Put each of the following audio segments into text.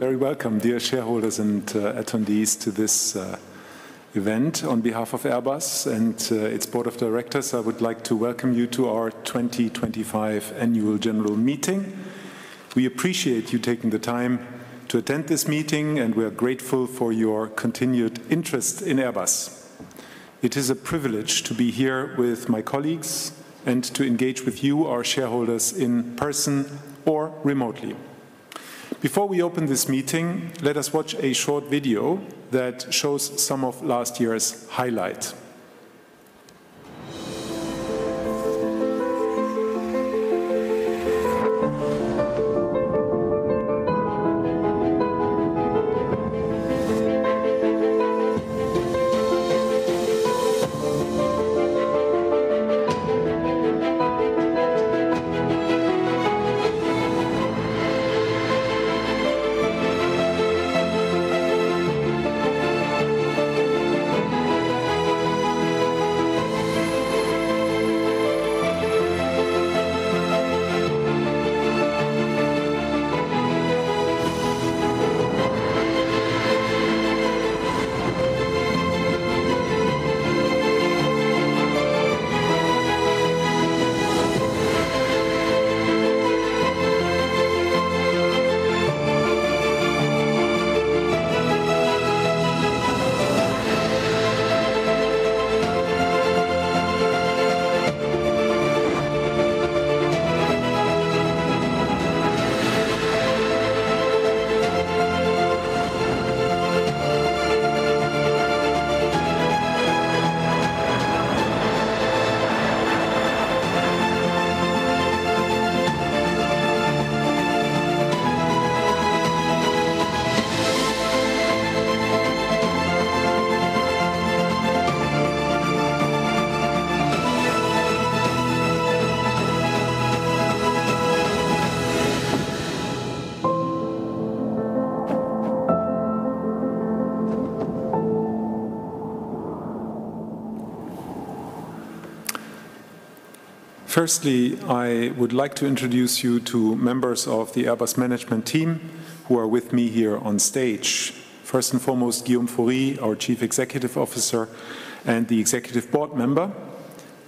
Very welcome, dear shareholders and attendees to this event on behalf of Airbus and its Board of Directors. I would like to welcome you to our 2025 Annual General Meeting. We appreciate you taking the time to attend this meeting, and we are grateful for your continued interest in Airbus. It is a privilege to be here with my colleagues and to engage with you, our shareholders, in person or remotely. Before we open this meeting, let us watch a short video that shows some of last year's highlights. Firstly, I would like to introduce you to members of the Airbus management team who are with me here on stage. First and foremost, Guillaume Faury, our Chief Executive Officer and the Executive Board member.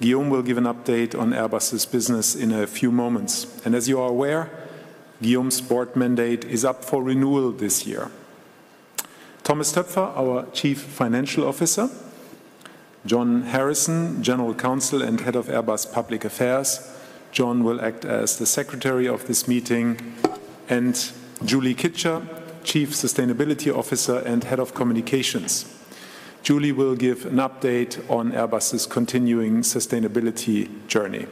Guillaume will give an update on Airbus's business in a few moments. As you are aware, Guillaume's board mandate is up for renewal this year. Thomas Toepfer, our Chief Financial Officer, John Harrison, General Counsel and Head of Airbus Public Affairs. John will act as the Secretary of this meeting, and Julie Kitcher, Chief Sustainability Officer and Head of Communications. Julie will give an update on Airbus's continuing sustainability journey.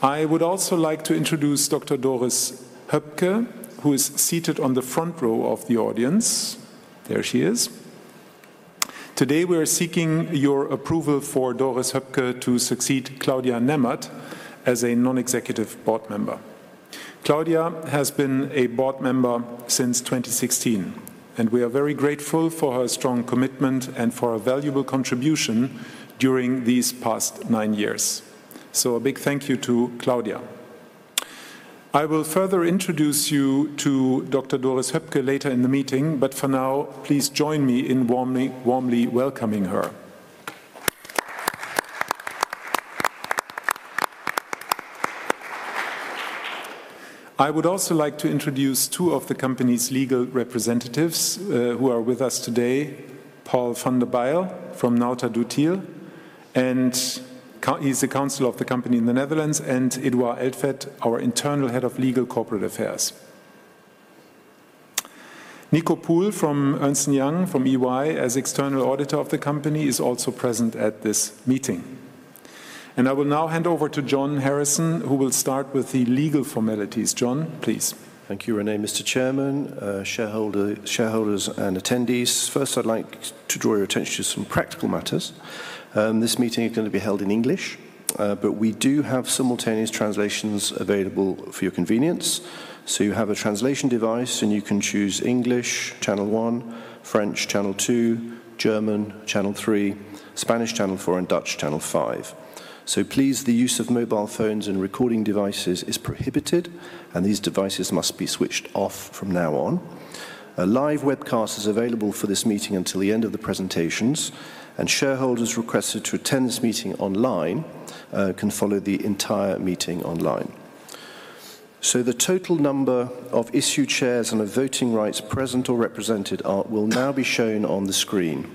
I would also like to introduce Dr. Doris Höpke, who is seated on the front row of the audience. There she is. Today, we are seeking your approval for Doris Höpke to succeed Claudia Nemath as a non-executive board member. Claudia has been a board member since 2016, and we are very grateful for her strong commitment and for her valuable contribution during these past nine years. A big thank you to Claudia. I will further introduce you to Dr. Doris Höpke later in the meeting, but for now, please join me in warmly welcoming her. I would also like to introduce two of the company's legal representatives who are with us today: Paul van der Bijl from NotarDutilh, and he's a counsel of the company in the Netherlands, and Édouard Elfet, our internal head of legal corporate affairs. Nico Poole from Ernst & Young from EY, as external auditor of the company, is also present at this meeting. I will now hand over to John Harrison, who will start with the legal formalities. John, please. Thank you, René. Mr. Chairman, shareholders and attendees, first, I'd like to draw your attention to some practical matters. This meeting is going to be held in English, but we do have simultaneous translations available for your convenience. You have a translation device, and you can choose English, Channel 1; French, Channel 2; German, Channel 3; Spanish, Channel 4; and Dutch, Channel 5. Please, the use of mobile phones and recording devices is prohibited, and these devices must be switched off from now on. A live webcast is available for this meeting until the end of the presentations, and shareholders requested to attend this meeting online can follow the entire meeting online. The total number of issued shares and of voting rights present or represented will now be shown on the screen.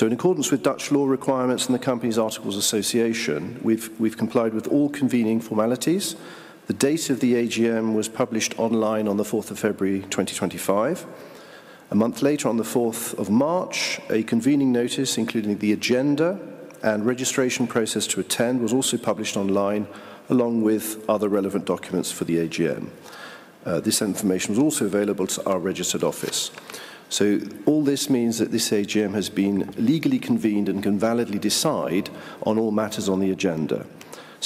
In accordance with Dutch law requirements and the company's articles of association, we've complied with all convening formalities. The date of the AGM was published online on the 4th of February, 2025. A month later, on the 4th of March, a convening notice including the agenda and registration process to attend was also published online, along with other relevant documents for the AGM. This information was also available to our registered office. All this means that this AGM has been legally convened and can validly decide on all matters on the agenda.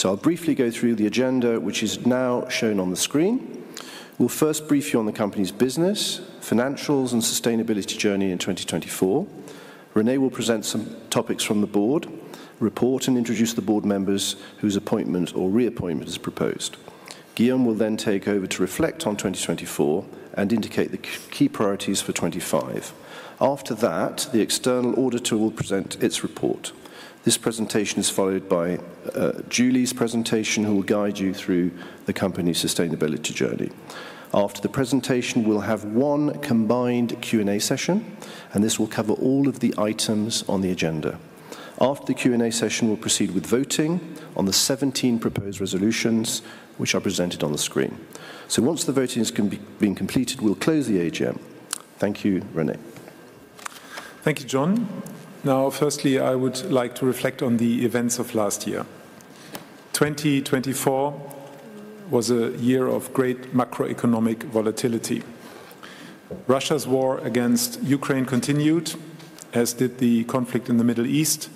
I'll briefly go through the agenda, which is now shown on the screen. We'll first brief you on the company's business, financials, and sustainability journey in 2024. René will present some topics from the board, report, and introduce the board members whose appointment or reappointment is proposed. Guillaume will then take over to reflect on 2024 and indicate the key priorities for 2025. After that, the external auditor will present its report. This presentation is followed by Julie's presentation, who will guide you through the company's sustainability journey. After the presentation, we'll have one combined Q&A session, and this will cover all of the items on the agenda. After the Q&A session, we'll proceed with voting on the 17 proposed resolutions, which are presented on the screen. Once the voting has been completed, we'll close the AGM. Thank you, René. Thank you, John. Now, firstly, I would like to reflect on the events of last year. 2024 was a year of great macroeconomic volatility. Russia's war against Ukraine continued, as did the conflict in the Middle East,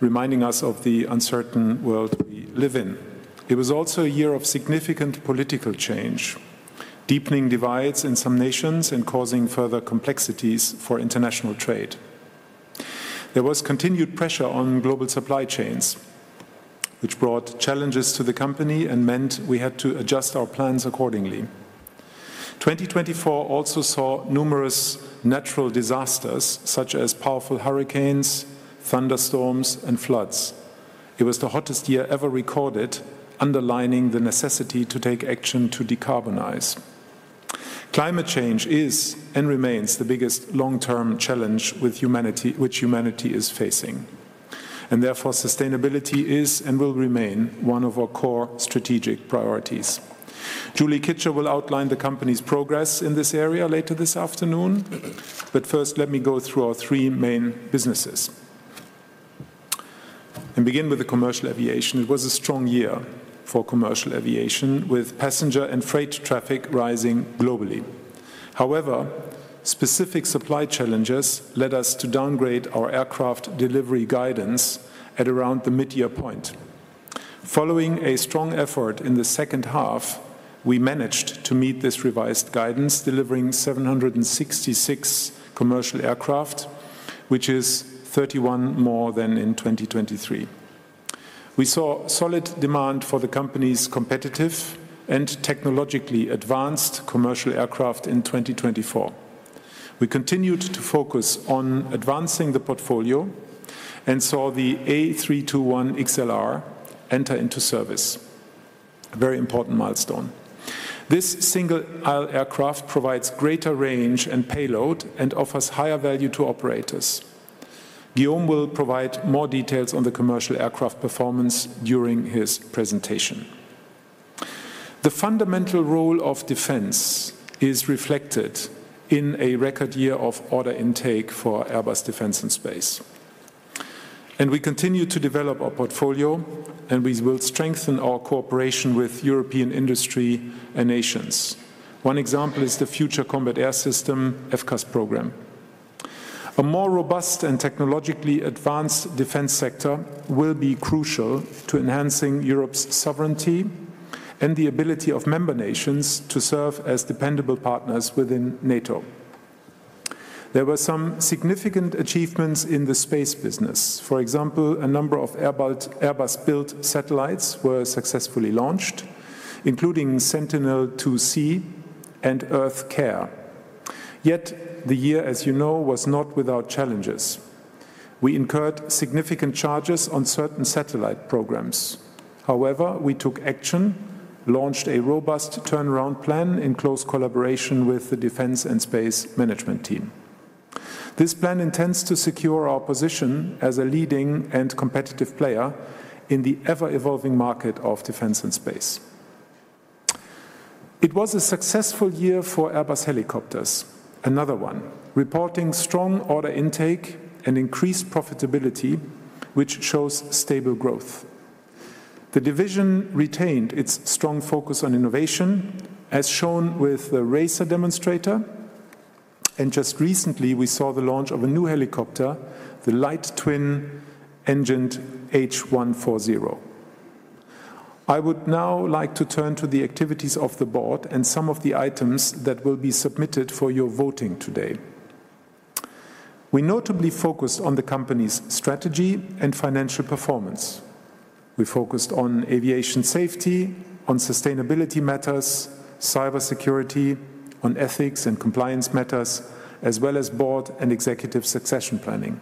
reminding us of the uncertain world we live in. It was also a year of significant political change, deepening divides in some nations and causing further complexities for international trade. There was continued pressure on global supply chains, which brought challenges to the company and meant we had to adjust our plans accordingly. 2024 also saw numerous natural disasters, such as powerful hurricanes, thunderstorms, and floods. It was the hottest year ever recorded, underlining the necessity to take action to decarbonize. Climate change is and remains the biggest long-term challenge with which humanity is facing. Therefore, sustainability is and will remain one of our core strategic priorities. Julie Kitcher will outline the company's progress in this area later this afternoon, but first, let me go through our three main businesses. I will begin with the commercial aviation. It was a strong year for commercial aviation, with passenger and freight traffic rising globally. However, specific supply challenges led us to downgrade our aircraft delivery guidance at around the mid-year point. Following a strong effort in the second half, we managed to meet this revised guidance, delivering 766 commercial aircraft, which is 31 more than in 2023. We saw solid demand for the company's competitive and technologically advanced commercial aircraft in 2024. We continued to focus on advancing the portfolio and saw the A321XLR enter into service. A very important milestone. This single-aisle aircraft provides greater range and payload and offers higher value to operators. Guillaume will provide more details on the commercial aircraft performance during his presentation. The fundamental role of defense is reflected in a record year of order intake for Airbus Defence and Space. We continue to develop our portfolio, and we will strengthen our cooperation with European industry and nations. One example is the Future Combat Air System FCAS program. A more robust and technologically advanced defense sector will be crucial to enhancing Europe's sovereignty and the ability of member nations to serve as dependable partners within NATO. There were some significant achievements in the space business. For example, a number of Airbus-built satellites were successfully launched, including Sentinel-2C and EarthCare. Yet the year, as you know, was not without challenges. We incurred significant charges on certain satellite programs. However, we took action, launched a robust turnaround plan in close collaboration with the Defence and Space Management Team. This plan intends to secure our position as a leading and competitive player in the ever-evolving market of defense and space. It was a successful year for Airbus Helicopters, another one, reporting strong order intake and increased profitability, which shows stable growth. The division retained its strong focus on innovation, as shown with the Racer demonstrator. Just recently, we saw the launch of a new helicopter, the light twin-engined H140. I would now like to turn to the activities of the board and some of the items that will be submitted for your voting today. We notably focused on the company's strategy and financial performance. We focused on aviation safety, on sustainability matters, cybersecurity, on ethics and compliance matters, as well as board and executive succession planning.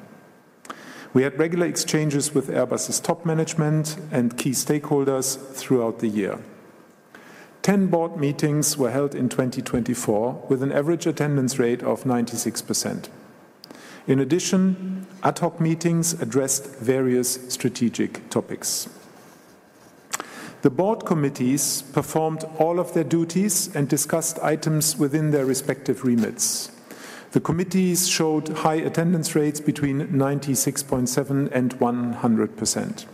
We had regular exchanges with Airbus's top management and key stakeholders throughout the year. Ten board meetings were held in 2024, with an average attendance rate of 96%. In addition, ad hoc meetings addressed various strategic topics. The board committees performed all of their duties and discussed items within their respective remits. The committees showed high attendance rates between 96.7% and 100%.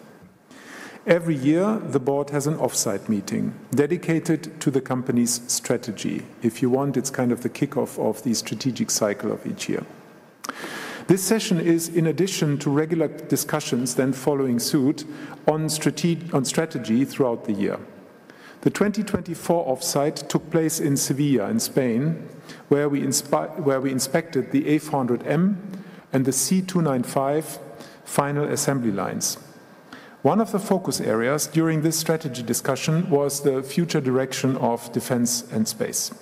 Every year, the board has an offsite meeting dedicated to the company's strategy. If you want, it's kind of the kickoff of the strategic cycle of each year. This session is, in addition to regular discussions then following suit, on strategy throughout the year. The 2024 offsite took place in Sevilla, in Spain, where we inspected the A400M and the C295 final assembly lines. One of the focus areas during this strategy discussion was the future direction of Defence and Space.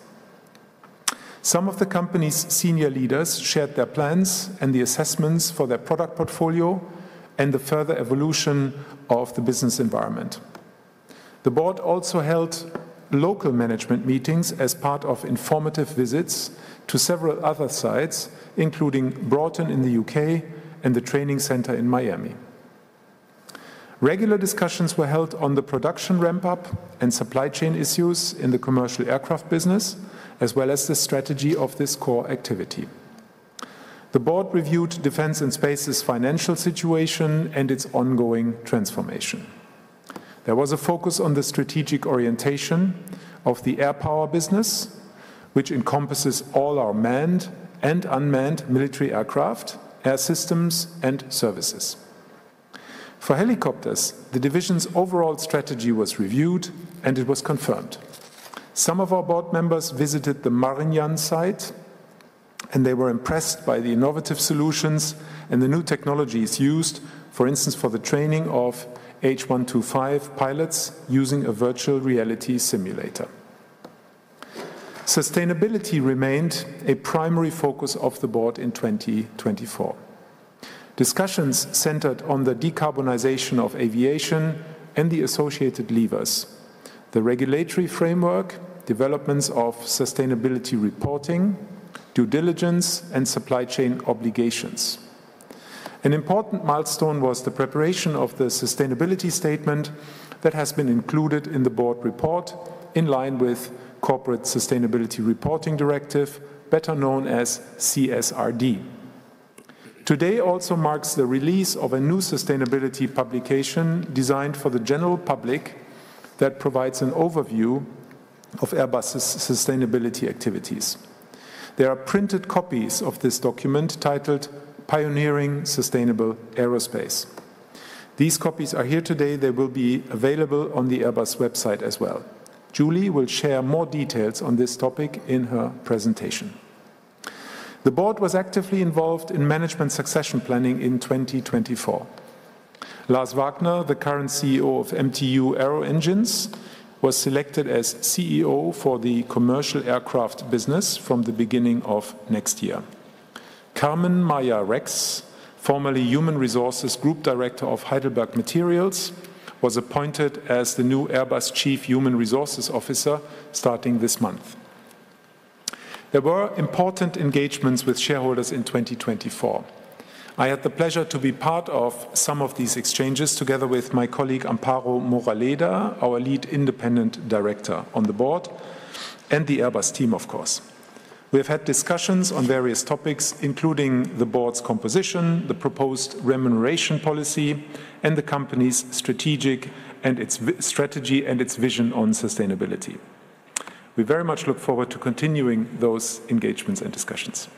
Some of the company's senior leaders shared their plans and the assessments for their product portfolio and the further evolution of the business environment. The board also held local management meetings as part of informative visits to several other sites, including Broughton in the U.K. and the training center in Miami. Regular discussions were held on the production ramp-up and supply chain issues in the commercial aircraft business, as well as the strategy of this core activity. The board reviewed Defence and Space's financial situation and its ongoing transformation. There was a focus on the strategic orientation of the air power business, which encompasses all our manned and unmanned military aircraft, air systems, and services. For Helicopters, the division's overall strategy was reviewed, and it was confirmed. Some of our board members visited the Marignane site, and they were impressed by the innovative solutions and the new technologies used, for instance, for the training of H125 pilots using a virtual reality simulator. Sustainability remained a primary focus of the board in 2024. Discussions centered on the decarbonization of aviation and the associated levers: the regulatory framework, developments of sustainability reporting, due diligence, and supply chain obligations. An important milestone was the preparation of the sustainability statement that has been included in the board report in line with the Corporate Sustainability Reporting Directive, better known as CSRD. Today also marks the release of a new sustainability publication designed for the general public that provides an overview of Airbus's sustainability activities. There are printed copies of this document titled "Pioneering Sustainable Aerospace." These copies are here today. They will be available on the Airbus website as well. Julie will share more details on this topic in her presentation. The board was actively involved in management succession planning in 2024. Lars Wagner, the current CEO of MTU Aeroengines, was selected as CEO for the commercial aircraft business from the beginning of next year. Carmen Maya Rex, formerly Human Resources Group Director of Heidelberg Materials, was appointed as the new Airbus Chief Human Resources Officer starting this month. There were important engagements with shareholders in 2024. I had the pleasure to be part of some of these exchanges together with my colleague Amparo Moraleda, our lead independent director on the board, and the Airbus team, of course. We have had discussions on various topics, including the board's composition, the proposed remuneration policy, and the company's strategic and its strategy and its vision on sustainability. We very much look forward to continuing those engagements and discussions.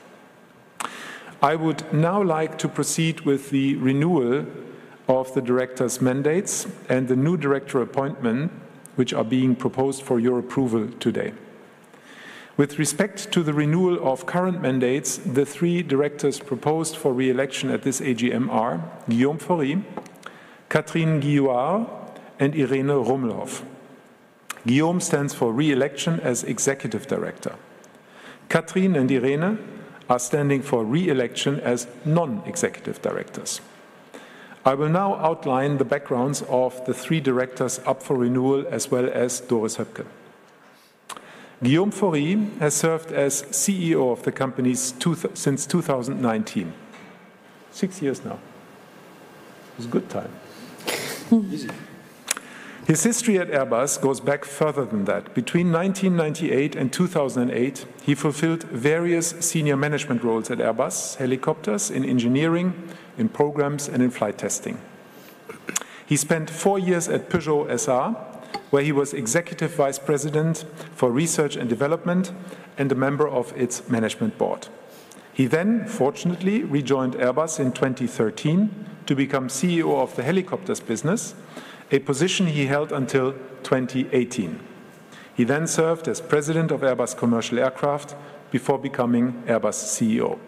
I would now like to proceed with the renewal of the director's mandates and the new director appointments, which are being proposed for your approval today. With respect to the renewal of current mandates, the three directors proposed for reelection at this AGM are Guillaume Faury, Catherine Guillouard, and Irene Rummelhoff. Guillaume stands for reelection as executive director. Catherine and Irene are standing for reelection as non-executive directors. I will now outline the backgrounds of the three directors up for renewal, as well as Doris Höpke. Guillaume Faury has served as CEO of the company since 2019. Six years now. It was a good time. His history at Airbus goes back further than that. Between 1998 and 2008, he fulfilled various senior management roles at Airbus Helicopters, in engineering, in programs, and in flight testing. He spent four years at Peugeot Citroën, where he was Executive Vice President for Research and Development and a member of its management board. He then, fortunately, rejoined Airbus in 2013 to become CEO of the Helicopters business, a position he held until 2018. He then served as President of Airbus Commercial Aircraft before becoming Airbus CEO.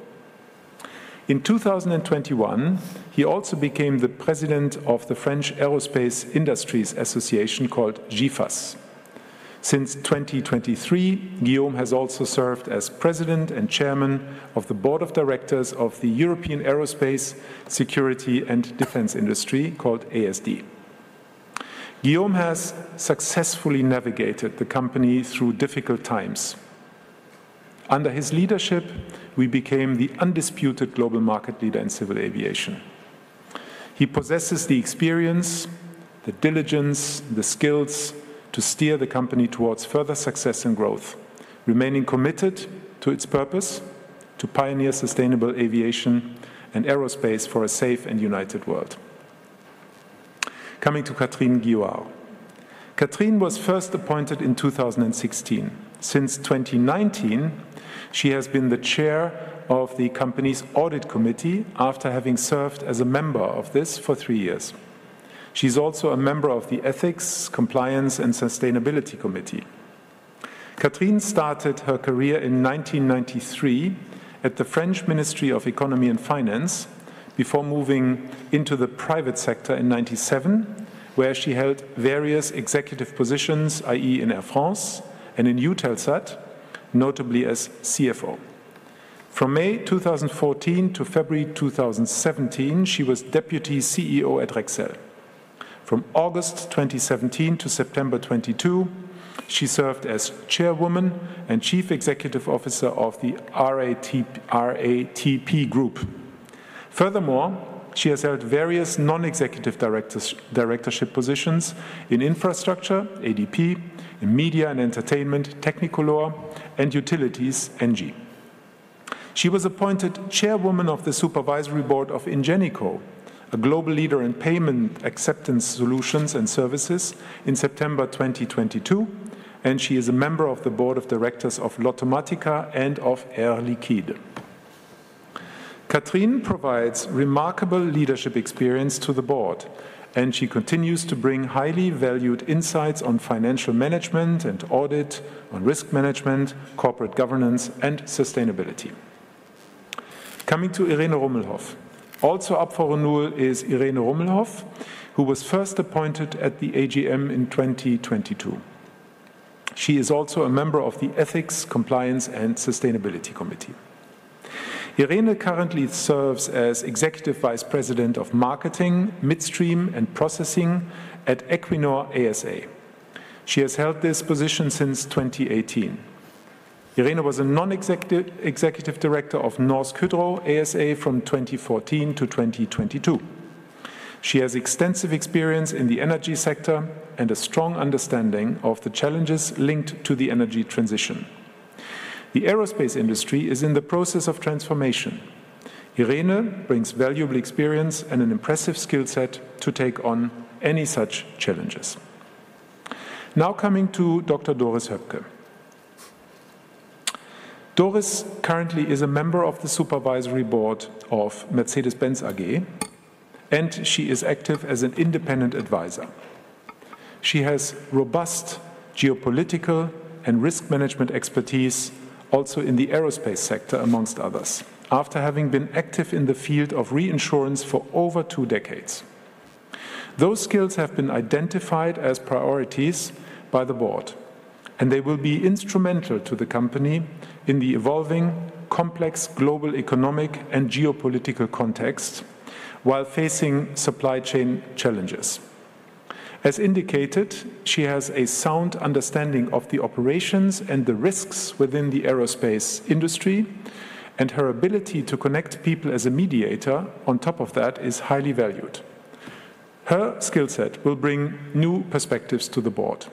In 2021, he also became the President of the French Aerospace Industries Association called GIFAS. Since 2023, Guillaume has also served as President and Chairman of the Board of Directors of the European Aerospace Security and Defense Industry called ASD. Guillaume has successfully navigated the company through difficult times. Under his leadership, we became the undisputed global market leader in civil aviation. He possesses the experience, the diligence, and the skills to steer the company towards further success and growth, remaining committed to its purpose to pioneer sustainable aviation and aerospace for a safe and united world. Coming to Catherine Guillouard. Catherine was first appointed in 2016. Since 2019, she has been the chair of the company's audit committee after having served as a member of this for three years. She's also a member of the Ethics, Compliance, and Sustainability Committee. Catherine started her career in 1993 at the French Ministry of Economy and Finance before moving into the private sector in 1997, where she held various executive positions, i.e., in Air France and in Eutelsat, notably as CFO. From May 2014 to February 2017, she was Deputy CEO at Rexel. From August 2017 to September 2022, she served as chairwoman and Chief Executive Officer of the RATP Group. Furthermore, she has held various non-executive directorship positions in infrastructure, ADP, in media and entertainment, technical law, and utilities, NG. She was appointed chairwoman of the supervisory board of Ingenico, a global leader in payment acceptance solutions and services in September 2022, and she is a member of the board of directors of Lottomatica and of Air Liquide. Catherine provides remarkable leadership experience to the board, and she continues to bring highly valued insights on financial management and audit, on risk management, corporate governance, and sustainability. Coming to Irene Rummelhoff. Also up for renewal is Irene Rummelhoff, who was first appointed at the AGM in 2022. She is also a member of the Ethics, Compliance, and Sustainability Committee. Irene currently serves as executive vice president of marketing, midstream, and processing at Equinor ASA. She has held this position since 2018. Irene was a non-executive director of Norsk Hydro ASA from 2014 to 2022. She has extensive experience in the energy sector and a strong understanding of the challenges linked to the energy transition. The aerospace industry is in the process of transformation. Irene brings valuable experience and an impressive skill set to take on any such challenges. Now coming to Dr. Doris Höpke. Doris currently is a member of the supervisory board of Mercedes-Benz AG, and she is active as an independent advisor. She has robust geopolitical and risk management expertise, also in the aerospace sector, amongst others, after having been active in the field of reinsurance for over two decades. Those skills have been identified as priorities by the board, and they will be instrumental to the company in the evolving complex global economic and geopolitical context while facing supply chain challenges. As indicated, she has a sound understanding of the operations and the risks within the aerospace industry, and her ability to connect people as a mediator on top of that is highly valued. Her skill set will bring new perspectives to the board.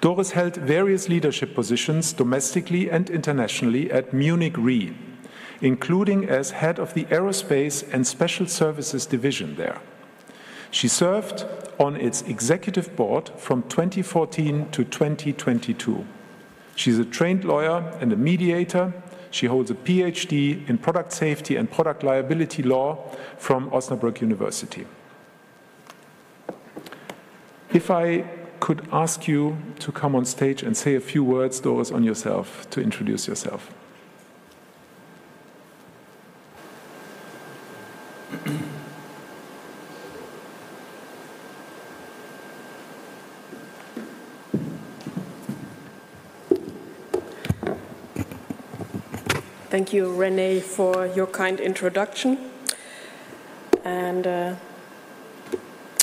Doris held various leadership positions domestically and internationally at Munich Re, including as head of the Aerospace and Special Services Division there. She served on its executive board from 2014 to 2022. She's a trained lawyer and a mediator. She holds a PhD in product safety and product liability law from Osnabrück University. If I could ask you to come on stage and say a few words, Doris, on yourself to introduce yourself. Thank you, René, for your kind introduction.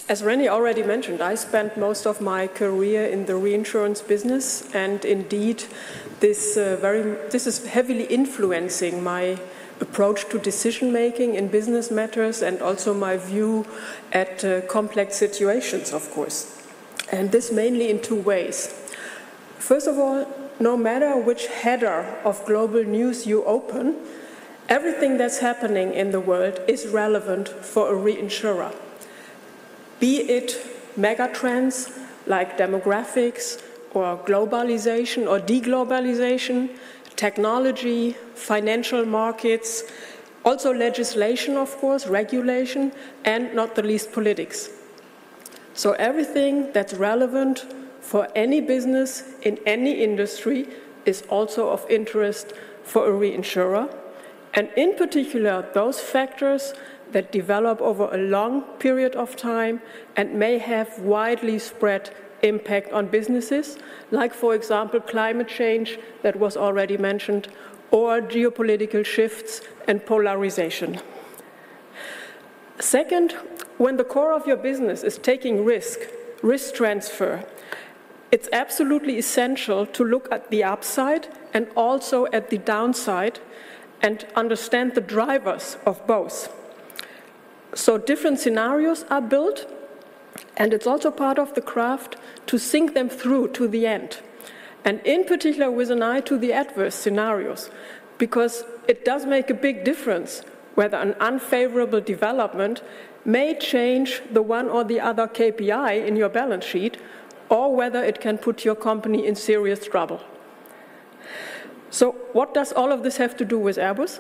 As René already mentioned, I spent most of my career in the reinsurance business, and indeed, this is heavily influencing my approach to decision-making in business matters and also my view at complex situations, of course. This mainly in two ways. First of all, no matter which header of global news you open, everything that's happening in the world is relevant for a reinsurer, be it megatrends like demographics or globalization or deglobalization, technology, financial markets, also legislation, of course, regulation, and not the least, politics. Everything that's relevant for any business in any industry is also of interest for a reinsurer, and in particular, those factors that develop over a long period of time and may have widely spread impact on businesses, like, for example, climate change that was already mentioned or geopolitical shifts and polarization. Second, when the core of your business is taking risk, risk transfer, it's absolutely essential to look at the upside and also at the downside and understand the drivers of both. Different scenarios are built, and it's also part of the craft to think them through to the end, and in particular, with an eye to the adverse scenarios, because it does make a big difference whether an unfavorable development may change the one or the other KPI in your balance sheet or whether it can put your company in serious trouble. What does all of this have to do with Airbus?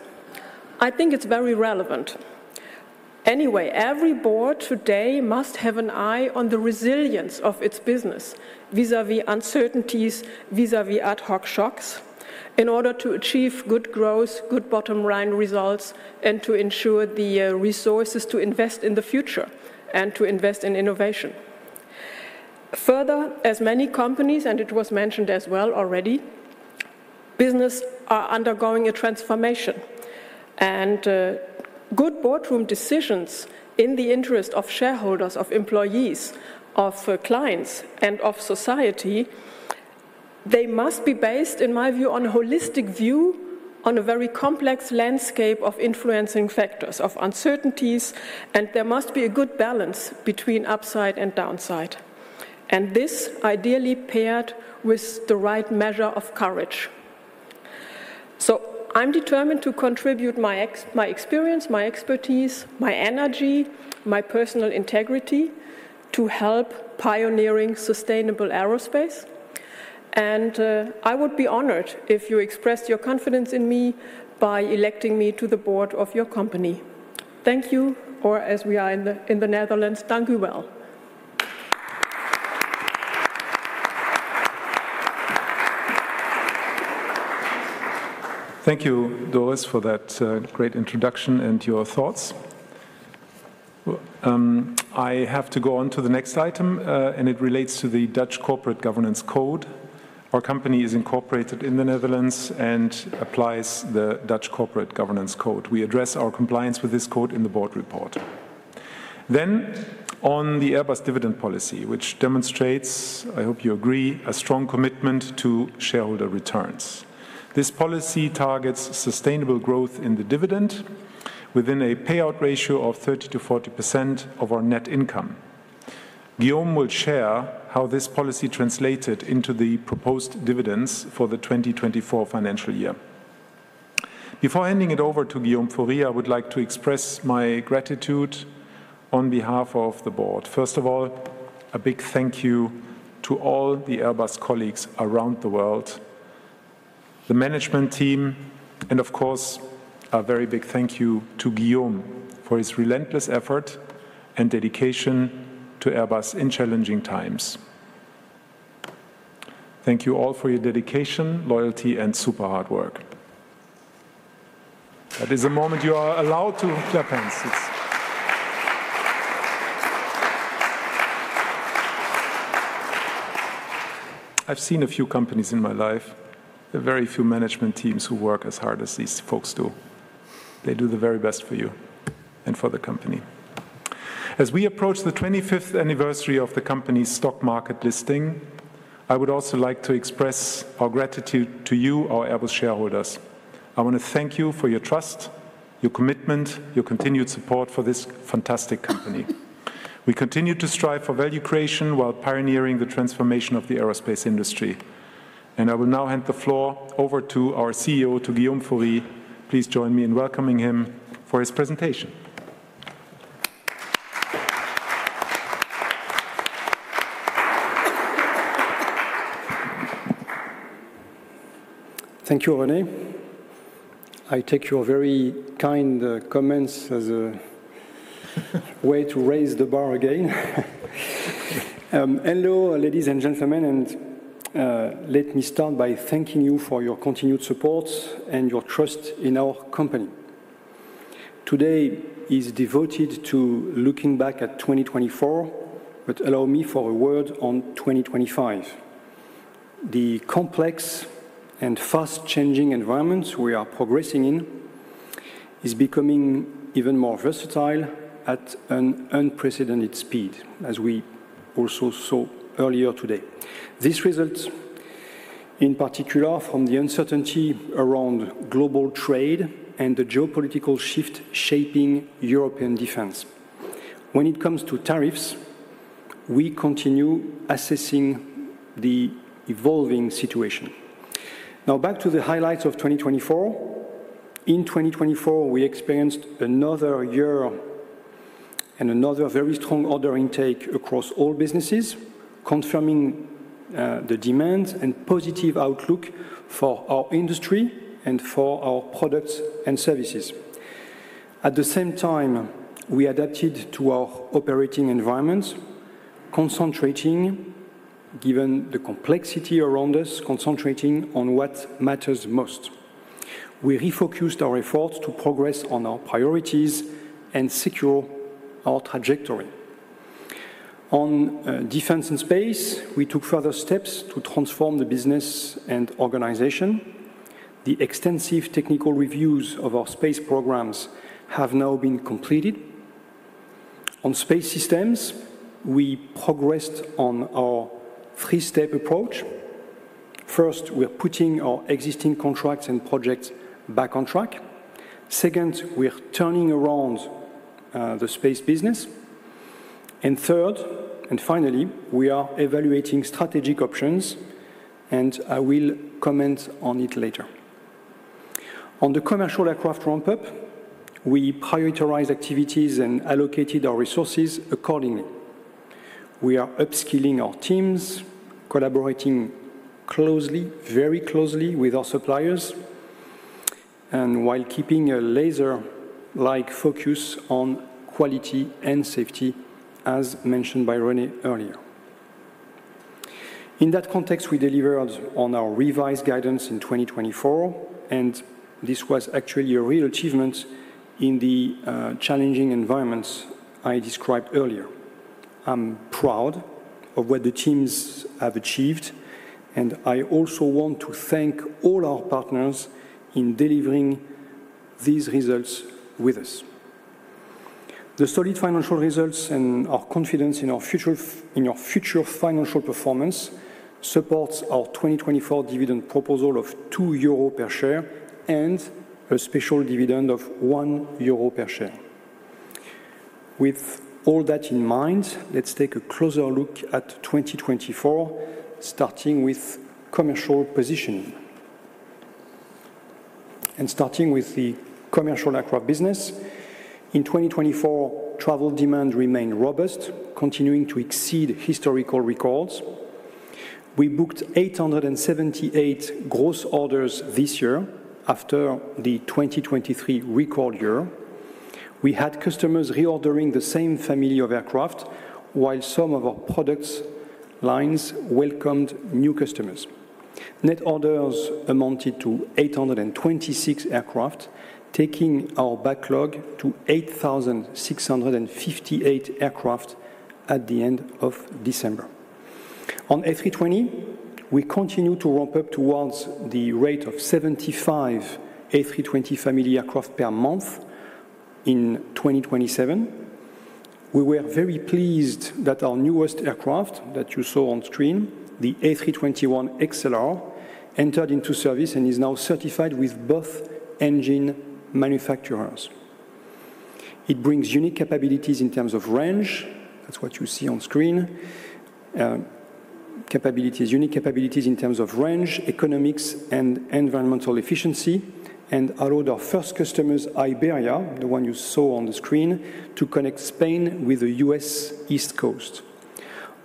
I think it's very relevant. Anyway, every board today must have an eye on the resilience of its business vis-à-vis uncertainties, vis-à-vis ad hoc shocks in order to achieve good growth, good bottom-line results, and to ensure the resources to invest in the future and to invest in innovation. Further, as many companies, and it was mentioned as well already, businesses are undergoing a transformation, and good boardroom decisions in the interest of shareholders, of employees, of clients, and of society, they must be based, in my view, on a holistic view on a very complex landscape of influencing factors, of uncertainties, and there must be a good balance between upside and downside, and this ideally paired with the right measure of courage. I'm determined to contribute my experience, my expertise, my energy, my personal integrity to help pioneering sustainable aerospace, and I would be honored if you expressed your confidence in me by electing me to the board of your company. Thank you, or as we are in the Netherlands, dank u wel. Thank you, Doris, for that great introduction and your thoughts. I have to go on to the next item, and it relates to the Dutch Corporate Governance Code. Our company is incorporated in the Netherlands and applies the Dutch Corporate Governance Code. We address our compliance with this code in the board report. On the Airbus dividend policy, which demonstrates, I hope you agree, a strong commitment to shareholder returns. This policy targets sustainable growth in the dividend within a payout ratio of 30-40% of our net income. Guillaume will share how this policy translated into the proposed dividends for the 2024 financial year. Before handing it over to Guillaume Faury, I would like to express my gratitude on behalf of the board. First of all, a big thank you to all the Airbus colleagues around the world, the management team, and of course, a very big thank you to Guillaume for his relentless effort and dedication to Airbus in challenging times. Thank you all for your dedication, loyalty, and super hard work. That is a moment you are allowed to clap hands. I've seen a few companies in my life, very few management teams who work as hard as these folks do. They do the very best for you and for the company. As we approach the 25th anniversary of the company's stock market listing, I would also like to express our gratitude to you, our Airbus shareholders. I want to thank you for your trust, your commitment, your continued support for this fantastic company. We continue to strive for value creation while pioneering the transformation of the aerospace industry, and I will now hand the floor over to our CEO, to Guillaume Faury. Please join me in welcoming him for his presentation. Thank you, René. I take your very kind comments as a way to raise the bar again. Hello, ladies and gentlemen, and let me start by thanking you for your continued support and your trust in our company. Today is devoted to looking back at 2024, but allow me for a word on 2025. The complex and fast-changing environments we are progressing in are becoming even more versatile at an unprecedented speed, as we also saw earlier today. This results in particular from the uncertainty around global trade and the geopolitical shift shaping European defense. When it comes to tariffs, we continue assessing the evolving situation. Now, back to the highlights of 2024. In 2024, we experienced another year and another very strong order intake across all businesses, confirming the demand and positive outlook for our industry and for our products and services. At the same time, we adapted to our operating environments, concentrating, given the complexity around us, concentrating on what matters most. We refocused our efforts to progress on our priorities and secure our trajectory. On Defence and Space, we took further steps to transform the business and organization. The extensive technical reviews of our space programs have now been completed. On space systems, we progressed on our three-step approach. First, we're putting our existing contracts and projects back on track. Second, we're turning around the space business. Third, and finally, we are evaluating strategic options, and I will comment on it later. On the commercial aircraft ramp-up, we prioritized activities and allocated our resources accordingly. We are upskilling our teams, collaborating closely, very closely with our suppliers, and while keeping a laser-like focus on quality and safety, as mentioned by René earlier. In that context, we delivered on our revised guidance in 2024, and this was actually a real achievement in the challenging environments I described earlier. I'm proud of what the teams have achieved, and I also want to thank all our partners in delivering these results with us. The solid financial results and our confidence in our future financial performance support our 2024 dividend proposal of 2 euro per share and a special dividend of 1 euro per share. With all that in mind, let's take a closer look at 2024, starting with commercial positioning. Starting with the commercial aircraft business, in 2024, travel demand remained robust, continuing to exceed historical records. We booked 878 gross orders this year after the 2023 record year. We had customers reordering the same family of aircraft, while some of our product lines welcomed new customers. Net orders amounted to 826 aircraft, taking our backlog to 8,658 aircraft at the end of December. On A320, we continue to ramp up towards the rate of 75 A320 family aircraft per month in 2027. We were very pleased that our newest aircraft that you saw on screen, the A321XLR, entered into service and is now certified with both engine manufacturers. It brings unique capabilities in terms of range. That is what you see on screen. Capabilities, unique capabilities in terms of range, economics, and environmental efficiency, and allowed our first customers, Iberia, the one you saw on the screen, to connect Spain with the U.S. East Coast.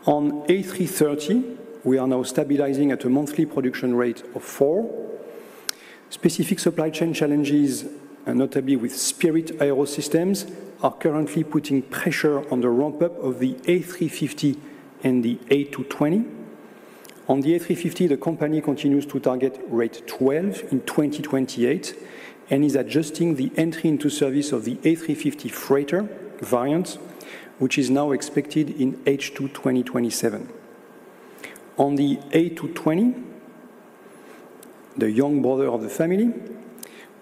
On A330, we are now stabilizing at a monthly production rate of four. Specific supply chain challenges, notably with Spirit AeroSystems, are currently putting pressure on the ramp-up of the A350 and the A220. On the A350, the company continues to target rate 12 in 2028 and is adjusting the entry into service of the A350 Freighter variant, which is now expected in H2 2027. On the A220, the young brother of the family,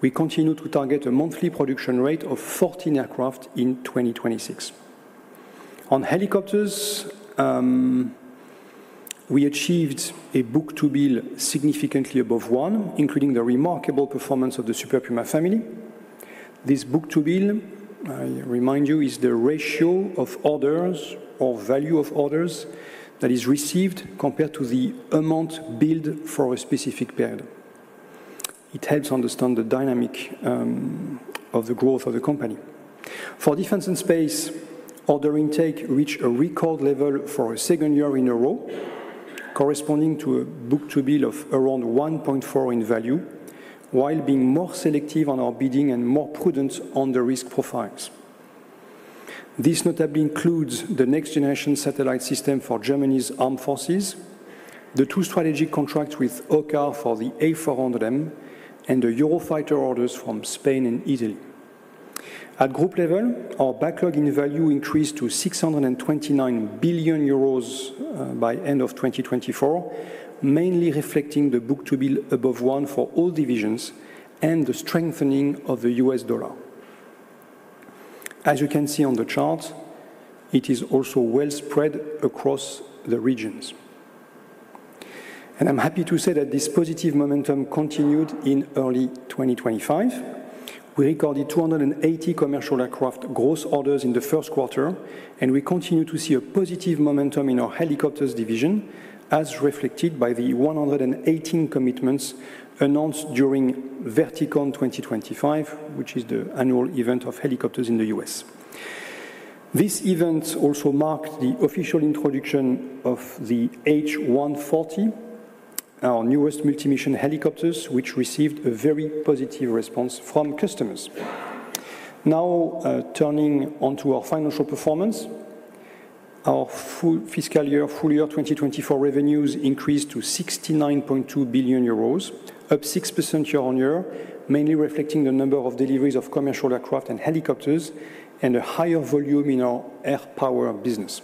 we continue to target a monthly production rate of 14 aircraft in 2026. On helicopters, we achieved a book-to-build significantly above one, including the remarkable performance of the Super Puma family. This book-to-build, I remind you, is the ratio of orders or value of orders that is received compared to the amount billed for a specific period. It helps understand the dynamic of the growth of the company. For Defence and Space, order intake reached a record level for a second year in a row, corresponding to a book-to-build of around 1.4 in value, while being more selective on our bidding and more prudent on the risk profiles. This notably includes the next-generation satellite system for Germany's armed forces, the two strategic contracts with OSCAR for the A400M, and the Eurofighter orders from Spain and Italy. At group level, our backlog in value increased to 629 billion euros by the end of 2024, mainly reflecting the book-to-build above one for all divisions and the strengthening of the US dollar. As you can see on the chart, it is also well spread across the regions. I am happy to say that this positive momentum continued in early 2025. We recorded 280 commercial aircraft gross orders in the first quarter, and we continue to see a positive momentum in our Helicopters division, as reflected by the 118 commitments announced during Verticon 2025, which is the annual event of Helicopters in the U.S. This event also marked the official introduction of the H140, our newest multi-mission helicopters, which received a very positive response from customers. Now, turning onto our financial performance, our full fiscal year, full year 2024 revenues increased to 69.2 billion euros, up 6% year on year, mainly reflecting the number of deliveries of commercial aircraft and helicopters and a higher volume in our air power business.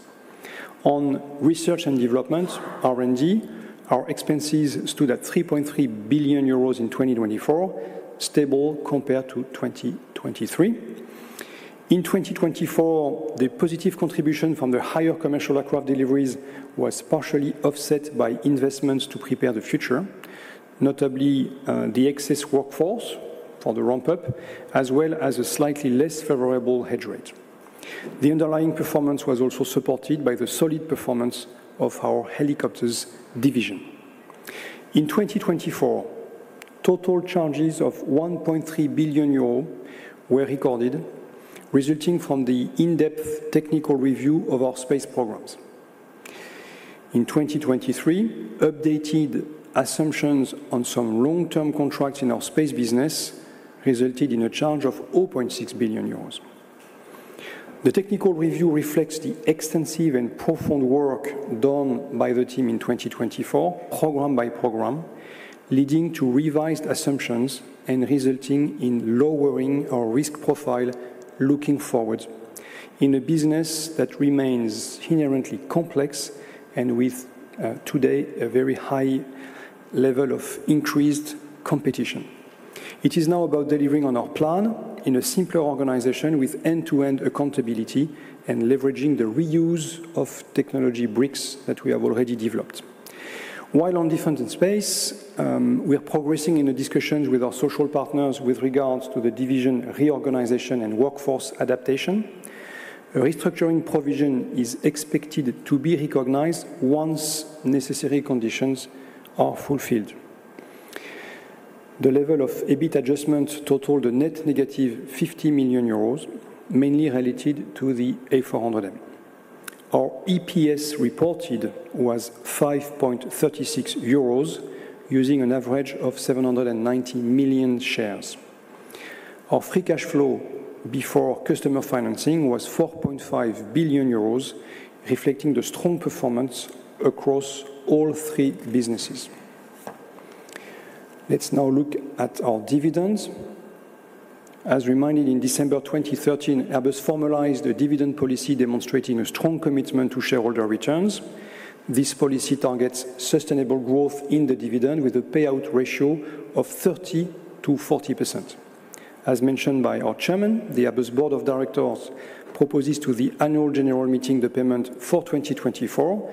On research and development, R&D, our expenses stood at 3.3 billion euros in 2024, stable compared to 2023. In 2024, the positive contribution from the higher commercial aircraft deliveries was partially offset by investments to prepare the future, notably the excess workforce for the ramp-up, as well as a slightly less favorable hedge rate. The underlying performance was also supported by the solid performance of our Helicopters division. In 2024, total charges of 1.3 billion euro were recorded, resulting from the in-depth technical review of our space programs. In 2023, updated assumptions on some long-term contracts in our space business resulted in a charge of 0.6 billion euros. The technical review reflects the extensive and profound work done by the team in 2024, program by program, leading to revised assumptions and resulting in lowering our risk profile looking forward in a business that remains inherently complex and with, today, a very high level of increased competition. It is now about delivering on our plan in a simpler organization with end-to-end accountability and leveraging the reuse of technology bricks that we have already developed. While on Defence and Space, we are progressing in the discussions with our social partners with regards to the division reorganization and workforce adaptation. Restructuring provision is expected to be recognized once necessary conditions are fulfilled. The level of EBIT adjustment totaled a net negative 50 million euros, mainly related to the A400M. Our EPS reported was 5.36 euros using an average of 790 million shares. Our free cash flow before customer financing was 4.5 billion euros, reflecting the strong performance across all three businesses. Let's now look at our dividends. As reminded, in December 2013, Airbus formalized a dividend policy demonstrating a strong commitment to shareholder returns. This policy targets sustainable growth in the dividend with a payout ratio of 30-40%. As mentioned by our Chairman, the Airbus Board of Directors proposes to the annual general meeting the payment for 2024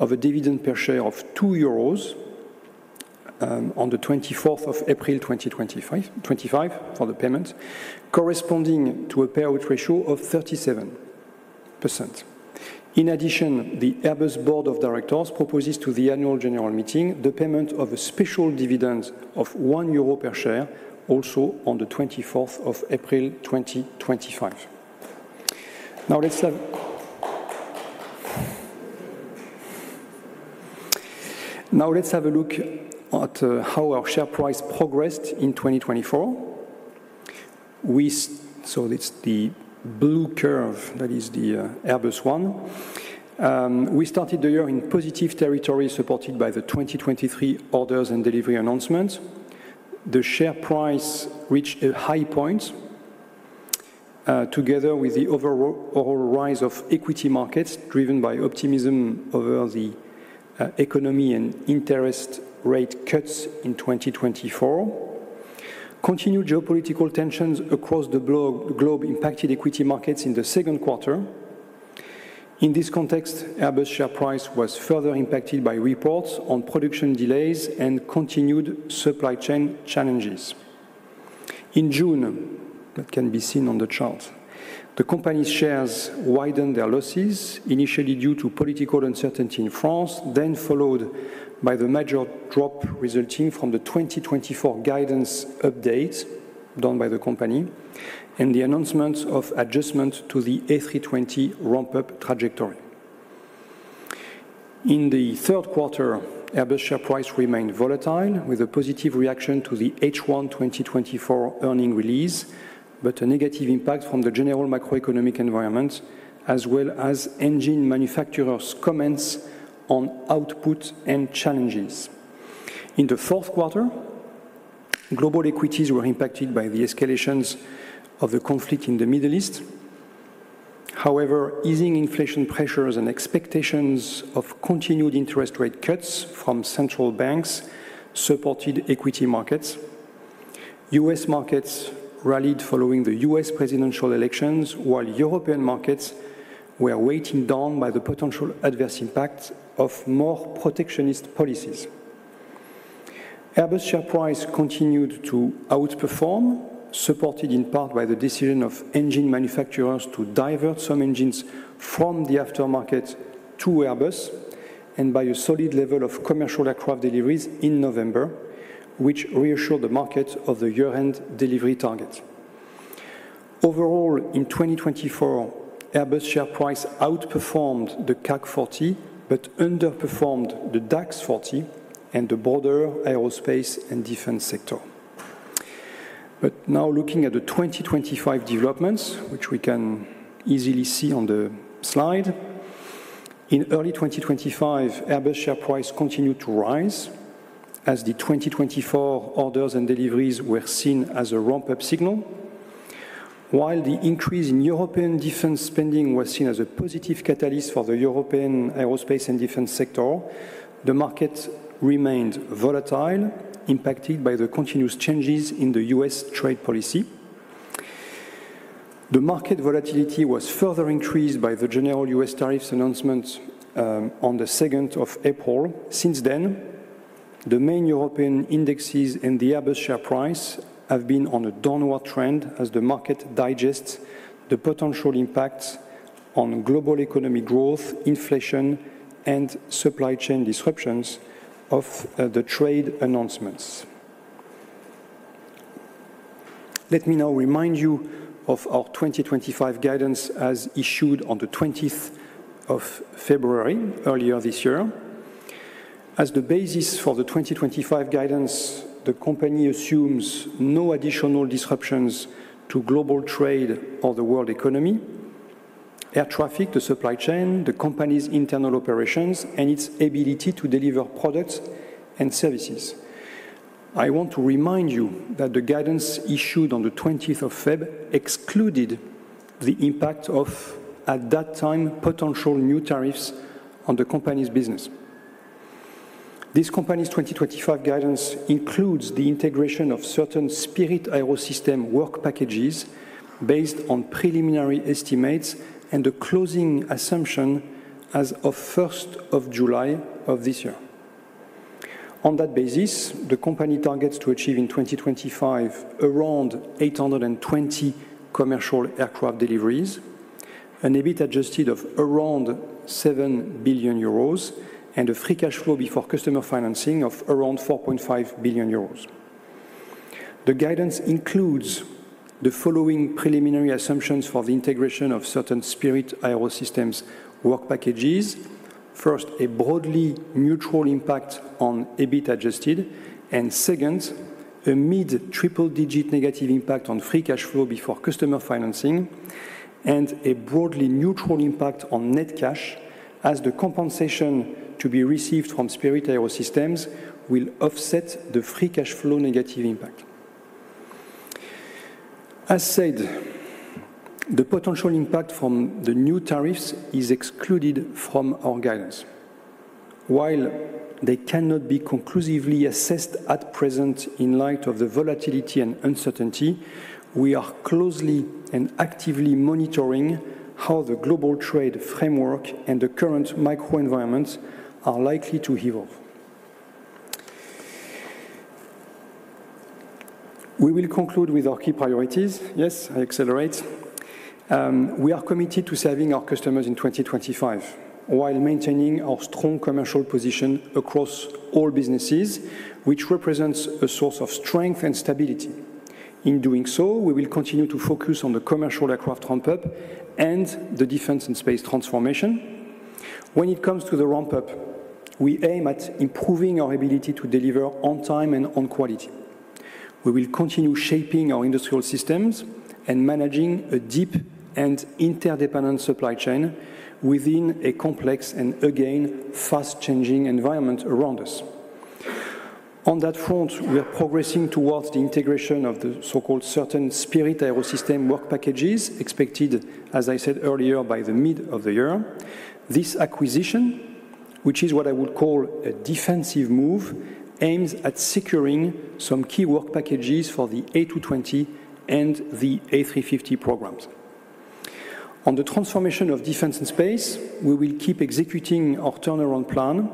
of a dividend per share of 2 euros on the 24th of April 2025 for the payment, corresponding to a payout ratio of 37%. In addition, the Airbus Board of Directors proposes to the annual general meeting the payment of a special dividend of 1 euro per share, also on the 24th of April 2025. Now, let's have a look at how our share price progressed in 2024. We saw the blue curve that is the Airbus one. We started the year in positive territory supported by the 2023 orders and delivery announcements. The share price reached a high point together with the overall rise of equity markets driven by optimism over the economy and interest rate cuts in 2024. Continued geopolitical tensions across the globe impacted equity markets in the second quarter. In this context, Airbus share price was further impacted by reports on production delays and continued supply chain challenges. In June, that can be seen on the chart, the company's shares widened their losses, initially due to political uncertainty in France, then followed by the major drop resulting from the 2024 guidance update done by the company and the announcement of adjustment to the A320 ramp-up trajectory. In the third quarter, Airbus share price remained volatile with a positive reaction to the H1 2024 earning release, but a negative impact from the general macroeconomic environment, as well as engine manufacturers' comments on output and challenges. In the fourth quarter, global equities were impacted by the escalations of the conflict in the Middle East. However, easing inflation pressures and expectations of continued interest rate cuts from central banks supported equity markets. U.S. markets rallied following the U.S. presidential elections, while European markets were weighted down by the potential adverse impact of more protectionist policies. Airbus share price continued to outperform, supported in part by the decision of engine manufacturers to divert some engines from the aftermarket to Airbus and by a solid level of commercial aircraft deliveries in November, which reassured the market of the year-end delivery target. Overall, in 2024, Airbus share price outperformed the CAC 40 but underperformed the DAX 40 and the broader aerospace and defense sector. Now, looking at the 2025 developments, which we can easily see on the slide, in early 2025, Airbus share price continued to rise as the 2024 orders and deliveries were seen as a ramp-up signal. While the increase in European defense spending was seen as a positive catalyst for the European aerospace and defense sector, the market remained volatile, impacted by the continuous changes in the U.S. trade policy. The market volatility was further increased by the general U.S. tariffs announcement on the 2nd of April. Since then, the main European indexes and the Airbus share price have been on a downward trend as the market digests the potential impacts on global economic growth, inflation, and supply chain disruptions of the trade announcements. Let me now remind you of our 2025 guidance as issued on the 20th of February earlier this year. As the basis for the 2025 guidance, the company assumes no additional disruptions to global trade or the world economy, air traffic, the supply chain, the company's internal operations, and its ability to deliver products and services. I want to remind you that the guidance issued on the 20th of February excluded the impact of, at that time, potential new tariffs on the company's business. This company's 2025 guidance includes the integration of certain Spirit AeroSystems work packages based on preliminary estimates and the closing assumption as of 1st of July of this year. On that basis, the company targets to achieve in 2025 around 820 commercial aircraft deliveries, an EBIT adjusted of around 7 billion euros, and a free cash flow before customer financing of around 4.5 billion euros. The guidance includes the following preliminary assumptions for the integration of certain Spirit AeroSystems work packages. First, a broadly neutral impact on EBIT adjusted, and second, a mid-triple-digit negative impact on free cash flow before customer financing, and a broadly neutral impact on net cash as the compensation to be received from Spirit AeroSystems will offset the free cash flow negative impact. As said, the potential impact from the new tariffs is excluded from our guidance. While they cannot be conclusively assessed at present in light of the volatility and uncertainty, we are closely and actively monitoring how the global trade framework and the current microenvironments are likely to evolve. We will conclude with our key priorities. Yes, I accelerate. We are committed to serving our customers in 2025 while maintaining our strong commercial position across all businesses, which represents a source of strength and stability. In doing so, we will continue to focus on the commercial aircraft ramp-up and the Defence and Space transformation. When it comes to the ramp-up, we aim at improving our ability to deliver on time and on quality. We will continue shaping our industrial systems and managing a deep and interdependent supply chain within a complex and, again, fast-changing environment around us. On that front, we are progressing towards the integration of the so-called certain Spirit AeroSystems work packages expected, as I said earlier, by the middle of the year. This acquisition, which is what I would call a defensive move, aims at securing some key work packages for the A220 and the A350 programs. On the transformation of Defense and Space, we will keep executing our turnaround plan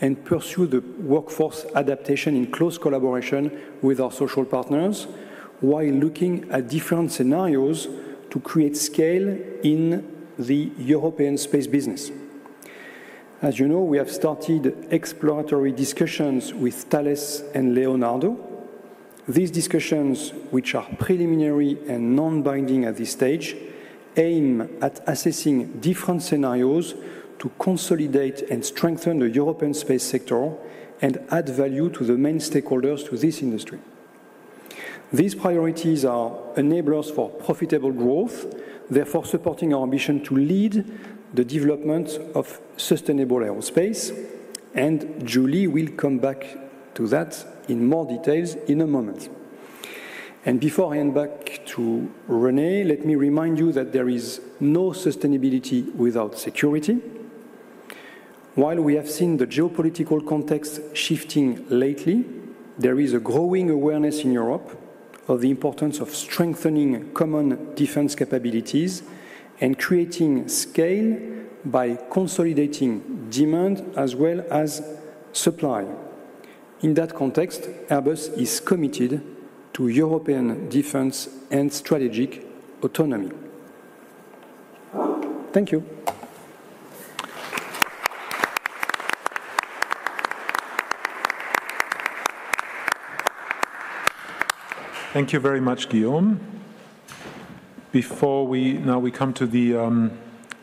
and pursue the workforce adaptation in close collaboration with our social partners while looking at different scenarios to create scale in the European space business. As you know, we have started exploratory discussions with Thales and Leonardo. These discussions, which are preliminary and non-binding at this stage, aim at assessing different scenarios to consolidate and strengthen the European space sector and add value to the main stakeholders to this industry. These priorities are enablers for profitable growth, therefore supporting our ambition to lead the development of sustainable aerospace. Julie will come back to that in more details in a moment. Before I hand back to René, let me remind you that there is no sustainability without security. While we have seen the geopolitical context shifting lately, there is a growing awareness in Europe of the importance of strengthening common defense capabilities and creating scale by consolidating demand as well as supply. In that context, Airbus is committed to European defense and strategic autonomy. Thank you. Thank you very much, Guillaume. Before we now come to the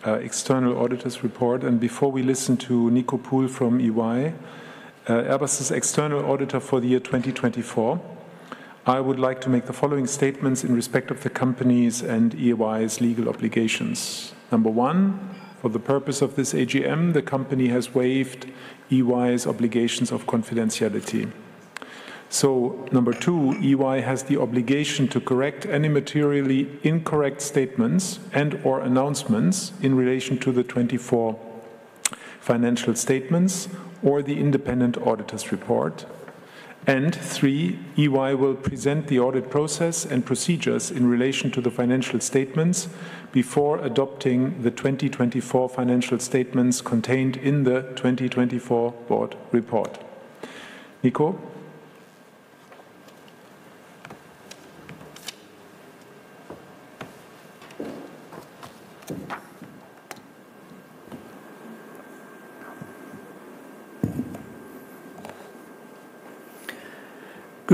external auditor's report and before we listen to Nico Poole from EY, Airbus's external auditor for the year 2024, I would like to make the following statements in respect of the company's and EY's legal obligations. Number one, for the purpose of this AGM, the company has waived EY's obligations of confidentiality. Number two, EY has the obligation to correct any materially incorrect statements and/or announcements in relation to the 2024 financial statements or the independent auditor's report. Three, EY will present the audit process and procedures in relation to the financial statements before adopting the 2024 financial statements contained in the 2024 board report. Nico.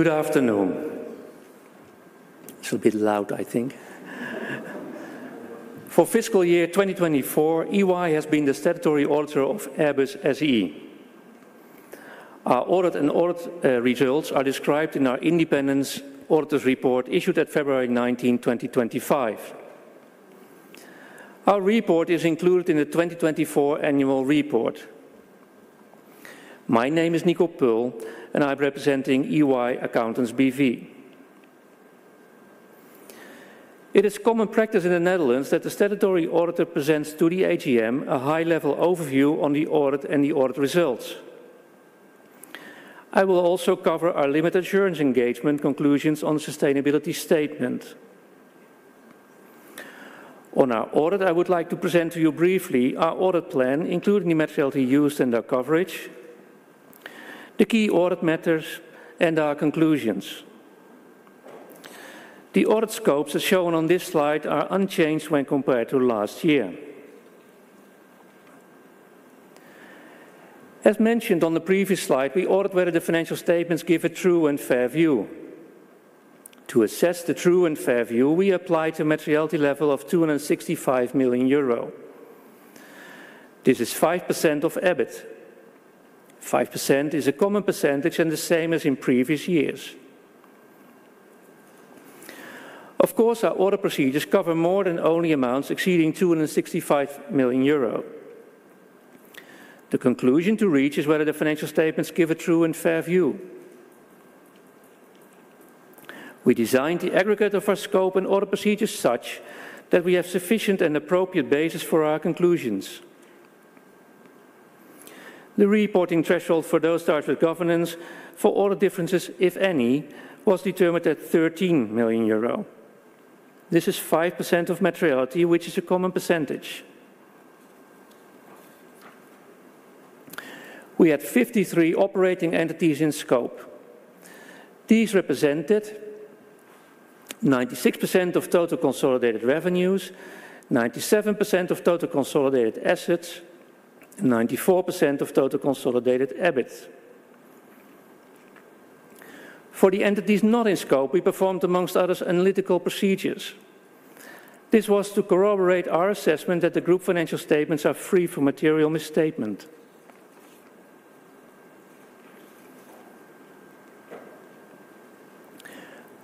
Good afternoon. It's a bit loud, I think. For fiscal year 2024, EY has been the statutory auditor of Airbus SE. Our audit and audit results are described in our independent auditor's report issued at February 19, 2025. Our report is included in the 2024 annual report. My name is Nico Poole, and I'm representing EY Accountants BV. It is common practice in the Netherlands that the statutory auditor presents to the AGM a high-level overview on the audit and the audit results. I will also cover our limited assurance engagement conclusions on the sustainability statement. On our audit, I would like to present to you briefly our audit plan, including the materiality used and our coverage, the key audit matters, and our conclusions. The audit scopes as shown on this slide are unchanged when compared to last year. As mentioned on the previous slide, we audit whether the financial statements give a true and fair view. To assess the true and fair view, we apply to a materiality level of 265 million euro. This is 5% of EBIT. 5% is a common percentage and the same as in previous years. Of course, our audit procedures cover more than only amounts exceeding 265 million euro. The conclusion to reach is whether the financial statements give a true and fair view. We designed the aggregate of our scope and audit procedures such that we have sufficient and appropriate basis for our conclusions. The reporting threshold for those charged with governance for all the differences, if any, was determined at 13 million euro. This is 5% of materiality, which is a common percentage. We had 53 operating entities in scope. These represented 96% of total consolidated revenues, 97% of total consolidated assets, and 94% of total consolidated EBIT. For the entities not in scope, we performed, amongst others, analytical procedures. This was to corroborate our assessment that the group financial statements are free from material misstatement.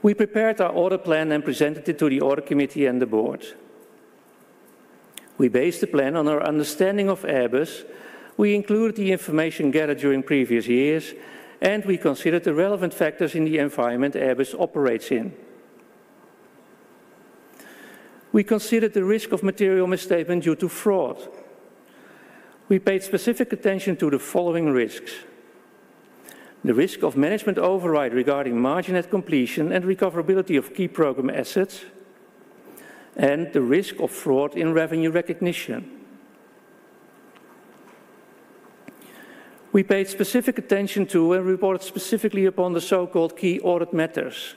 We prepared our audit plan and presented it to the audit committee and the board. We based the plan on our understanding of Airbus. We included the information gathered during previous years, and we considered the relevant factors in the environment Airbus operates in. We considered the risk of material misstatement due to fraud. We paid specific attention to the following risks: the risk of management override regarding margin at completion and recoverability of key program assets, and the risk of fraud in revenue recognition. We paid specific attention to and reported specifically upon the so-called key audit matters.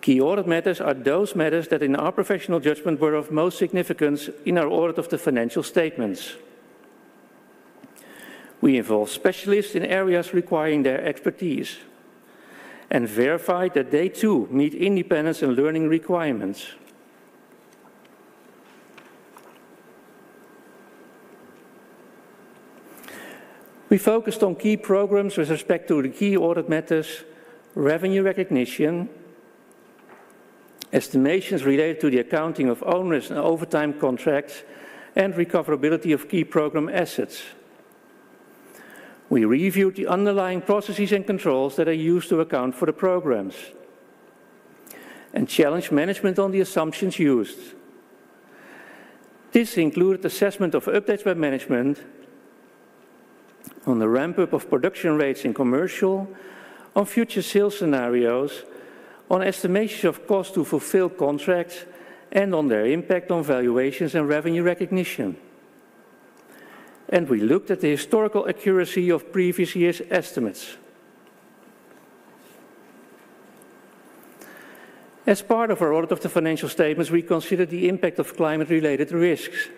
Key audit matters are those matters that, in our professional judgment, were of most significance in our audit of the financial statements. We involved specialists in areas requiring their expertise and verified that they too meet independence and learning requirements. We focused on key programs with respect to the key audit matters, revenue recognition, estimations related to the accounting of owners and overtime contracts, and recoverability of key program assets. We reviewed the underlying processes and controls that are used to account for the programs and challenged management on the assumptions used. This included assessment of updates by management on the ramp-up of production rates in commercial, on future sales scenarios, on estimations of cost to fulfill contracts, and on their impact on valuations and revenue recognition. We looked at the historical accuracy of previous year's estimates. As part of our audit of the financial statements, we considered the impact of climate-related risks.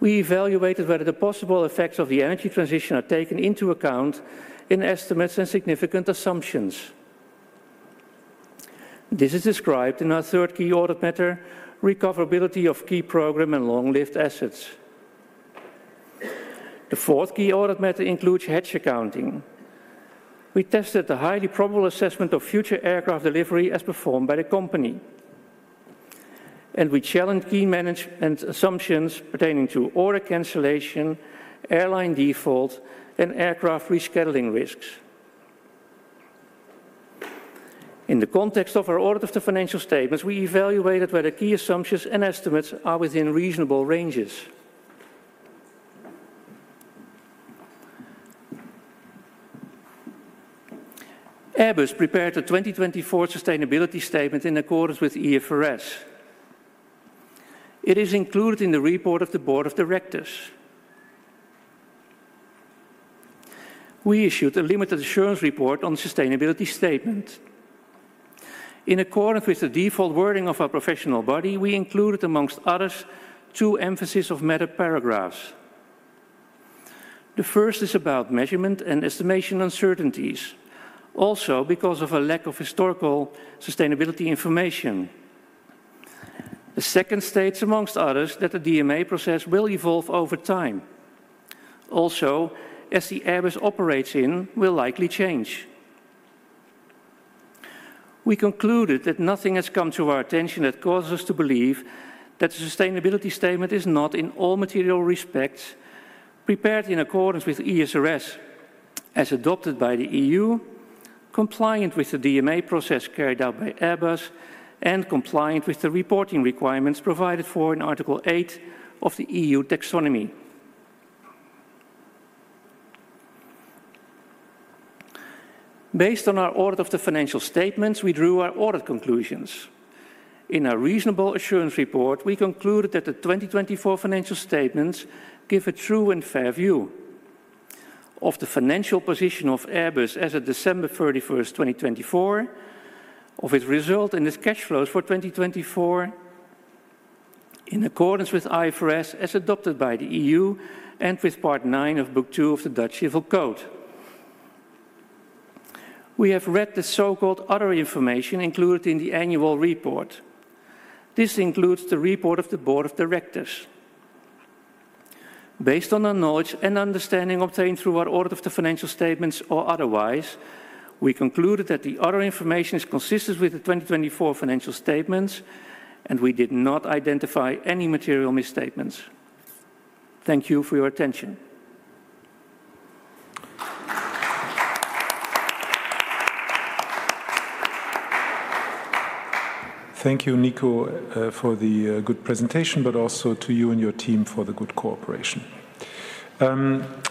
We evaluated whether the possible effects of the energy transition are taken into account in estimates and significant assumptions. This is described in our third key audit matter, recoverability of key program and long-lived assets. The fourth key audit matter includes hedge accounting. We tested the highly probable assessment of future aircraft delivery as performed by the company. We challenged key management assumptions pertaining to order cancellation, airline default, and aircraft rescheduling risks. In the context of our audit of the financial statements, we evaluated whether key assumptions and estimates are within reasonable ranges. Airbus prepared the 2024 sustainability statement in accordance with EFRS. It is included in the report of the board of directors. We issued a limited insurance report on the sustainability statement. In accordance with the default wording of our professional body, we included, amongst others, two emphases of matter paragraphs. The first is about measurement and estimation uncertainties, also because of a lack of historical sustainability information. The second states, amongst others, that the DMA process will evolve over time. Also, as the Airbus operates in, will likely change. We concluded that nothing has come to our attention that causes us to believe that the sustainability statement is not, in all material respects, prepared in accordance with ESRS, as adopted by the EU, compliant with the DMA process carried out by Airbus, and compliant with the reporting requirements provided for in Article 8 of the EU taxonomy. Based on our audit of the financial statements, we drew our audit conclusions. In our reasonable assurance report, we concluded that the 2024 financial statements give a true and fair view of the financial position of Airbus as of December 31, 2024, of its result and its cash flows for 2024, in accordance with IFRS as adopted by the EU and with Part 9 of Book 2 of the Dutch Civil Code. We have read the so-called other information included in the annual report. This includes the report of the board of directors. Based on our knowledge and understanding obtained through our audit of the financial statements or otherwise, we concluded that the other information is consistent with the 2024 financial statements, and we did not identify any material misstatements. Thank you for your attention. Thank you, Nico, for the good presentation, but also to you and your team for the good cooperation.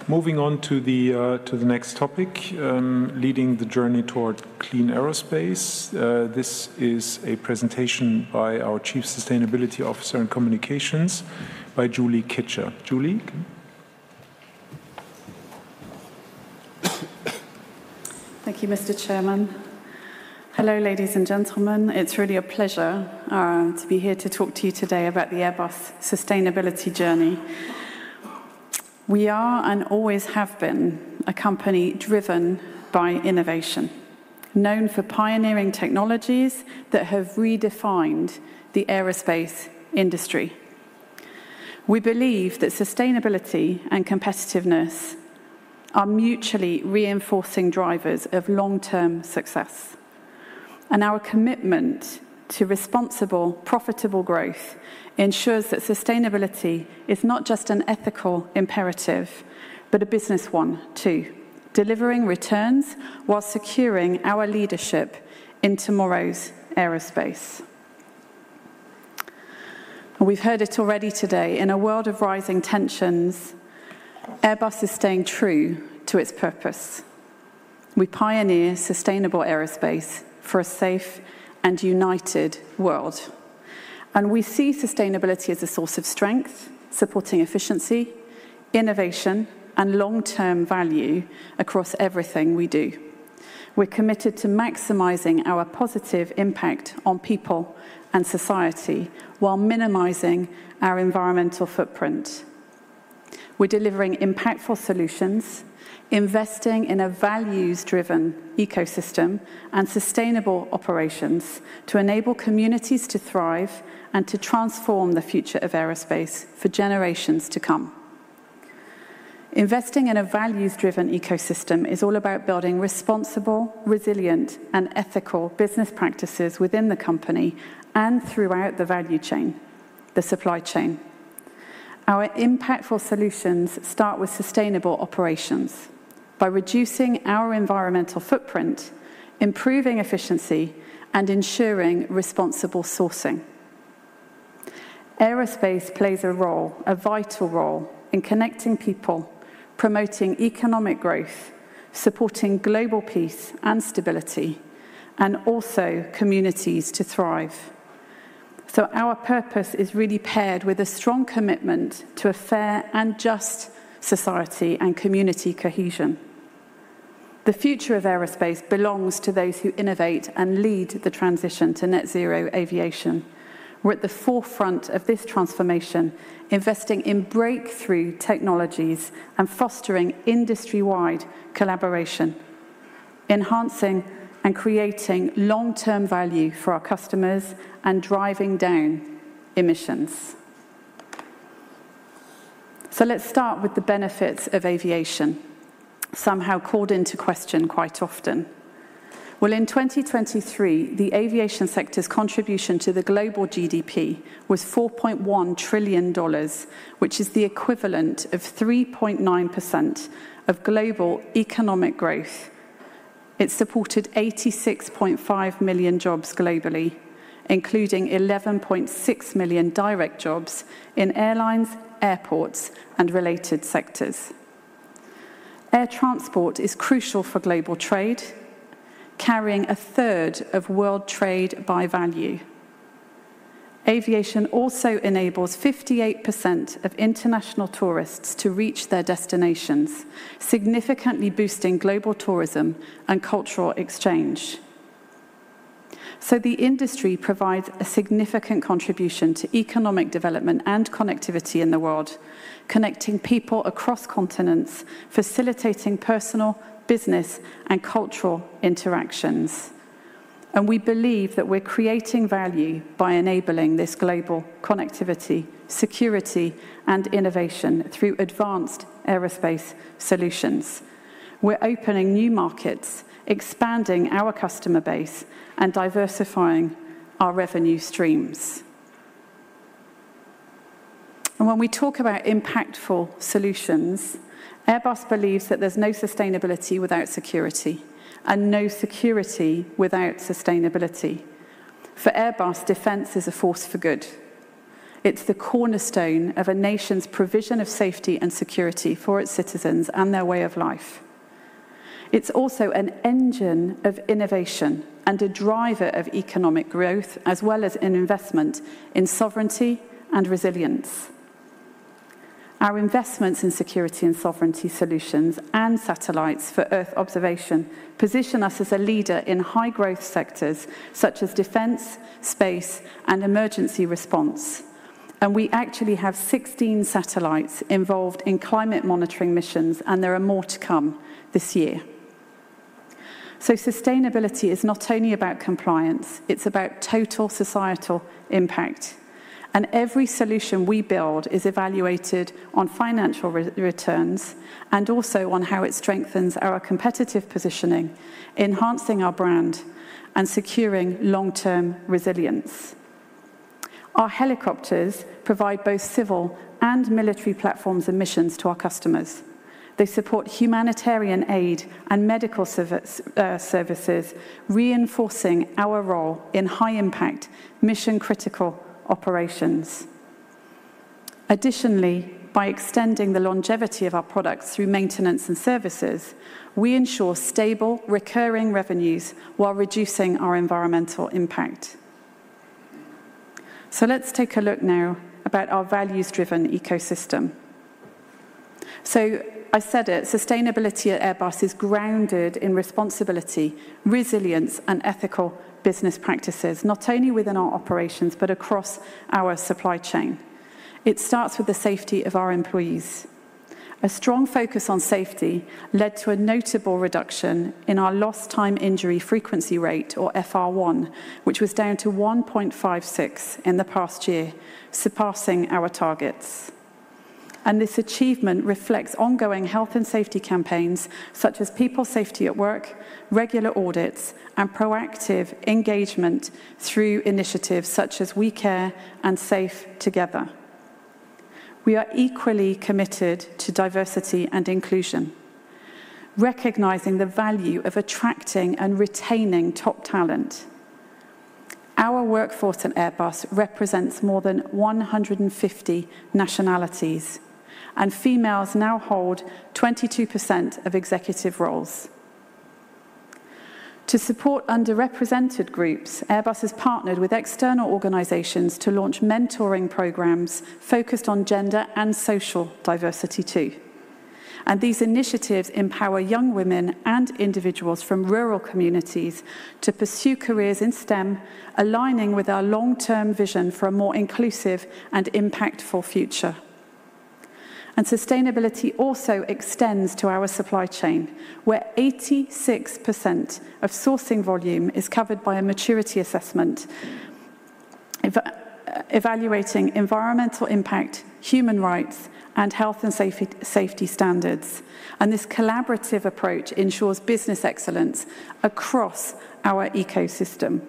Moving on to the next topic, leading the journey toward clean aerospace, this is a presentation by our Chief Sustainability Officer in Communications by Julie Kitcher. Julie, can you? Thank you, Mr. Chairman. Hello, ladies and gentlemen. It's really a pleasure to be here to talk to you today about the Airbus sustainability journey. We are and always have been a company driven by innovation, known for pioneering technologies that have redefined the aerospace industry. We believe that sustainability and competitiveness are mutually reinforcing drivers of long-term success. Our commitment to responsible, profitable growth ensures that sustainability is not just an ethical imperative, but a business one too, delivering returns while securing our leadership in tomorrow's aerospace. We've heard it already today. In a world of rising tensions, Airbus is staying true to its purpose. We pioneer sustainable aerospace for a safe and united world. We see sustainability as a source of strength, supporting efficiency, innovation, and long-term value across everything we do. We're committed to maximizing our positive impact on people and society while minimizing our environmental footprint. We're delivering impactful solutions, investing in a values-driven ecosystem and sustainable operations to enable communities to thrive and to transform the future of aerospace for generations to come. Investing in a values-driven ecosystem is all about building responsible, resilient, and ethical business practices within the company and throughout the value chain, the supply chain. Our impactful solutions start with sustainable operations by reducing our environmental footprint, improving efficiency, and ensuring responsible sourcing. Aerospace plays a role, a vital role in connecting people, promoting economic growth, supporting global peace and stability, and also communities to thrive. Our purpose is really paired with a strong commitment to a fair and just society and community cohesion. The future of aerospace belongs to those who innovate and lead the transition to net zero aviation. We are at the forefront of this transformation, investing in breakthrough technologies and fostering industry-wide collaboration, enhancing and creating long-term value for our customers and driving down emissions. Let's start with the benefits of aviation, somehow called into question quite often. In 2023, the aviation sector's contribution to the global GDP was $4.1 trillion, which is the equivalent of 3.9% of global economic growth. It supported 86.5 million jobs globally, including 11.6 million direct jobs in airlines, airports, and related sectors. Air transport is crucial for global trade, carrying a third of world trade by value. Aviation also enables 58% of international tourists to reach their destinations, significantly boosting global tourism and cultural exchange. The industry provides a significant contribution to economic development and connectivity in the world, connecting people across continents, facilitating personal, business, and cultural interactions. We believe that we're creating value by enabling this global connectivity, security, and innovation through advanced aerospace solutions. We're opening new markets, expanding our customer base, and diversifying our revenue streams. When we talk about impactful solutions, Airbus believes that there's no sustainability without security and no security without sustainability. For Airbus, defense is a force for good. It's the cornerstone of a nation's provision of safety and security for its citizens and their way of life. It's also an engine of innovation and a driver of economic growth, as well as an investment in sovereignty and resilience. Our investments in security and sovereignty solutions and satellites for Earth observation position us as a leader in high-growth sectors such as defense, space, and emergency response. We actually have 16 satellites involved in climate monitoring missions, and there are more to come this year. Sustainability is not only about compliance; it's about total societal impact. Every solution we build is evaluated on financial returns and also on how it strengthens our competitive positioning, enhancing our brand, and securing long-term resilience. Our helicopters provide both civil and military platforms and missions to our customers. They support humanitarian aid and medical services, reinforcing our role in high-impact, mission-critical operations. Additionally, by extending the longevity of our products through maintenance and services, we ensure stable, recurring revenues while reducing our environmental impact. Let's take a look now about our values-driven ecosystem. I said it: sustainability at Airbus is grounded in responsibility, resilience, and ethical business practices, not only within our operations, but across our supply chain. It starts with the safety of our employees. A strong focus on safety led to a notable reduction in our lost-time injury frequency rate, or FR1, which was down to 1.56 in the past year, surpassing our targets. This achievement reflects ongoing health and safety campaigns such as people safety at work, regular audits, and proactive engagement through initiatives such as WeCare and Safe Together. We are equally committed to diversity and inclusion, recognizing the value of attracting and retaining top talent. Our workforce at Airbus represents more than 150 nationalities, and females now hold 22% of executive roles. To support underrepresented groups, Airbus has partnered with external organizations to launch mentoring programs focused on gender and social diversity too. These initiatives empower young women and individuals from rural communities to pursue careers in STEM, aligning with our long-term vision for a more inclusive and impactful future. Sustainability also extends to our supply chain, where 86% of sourcing volume is covered by a maturity assessment evaluating environmental impact, human rights, and health and safety standards. This collaborative approach ensures business excellence across our ecosystem.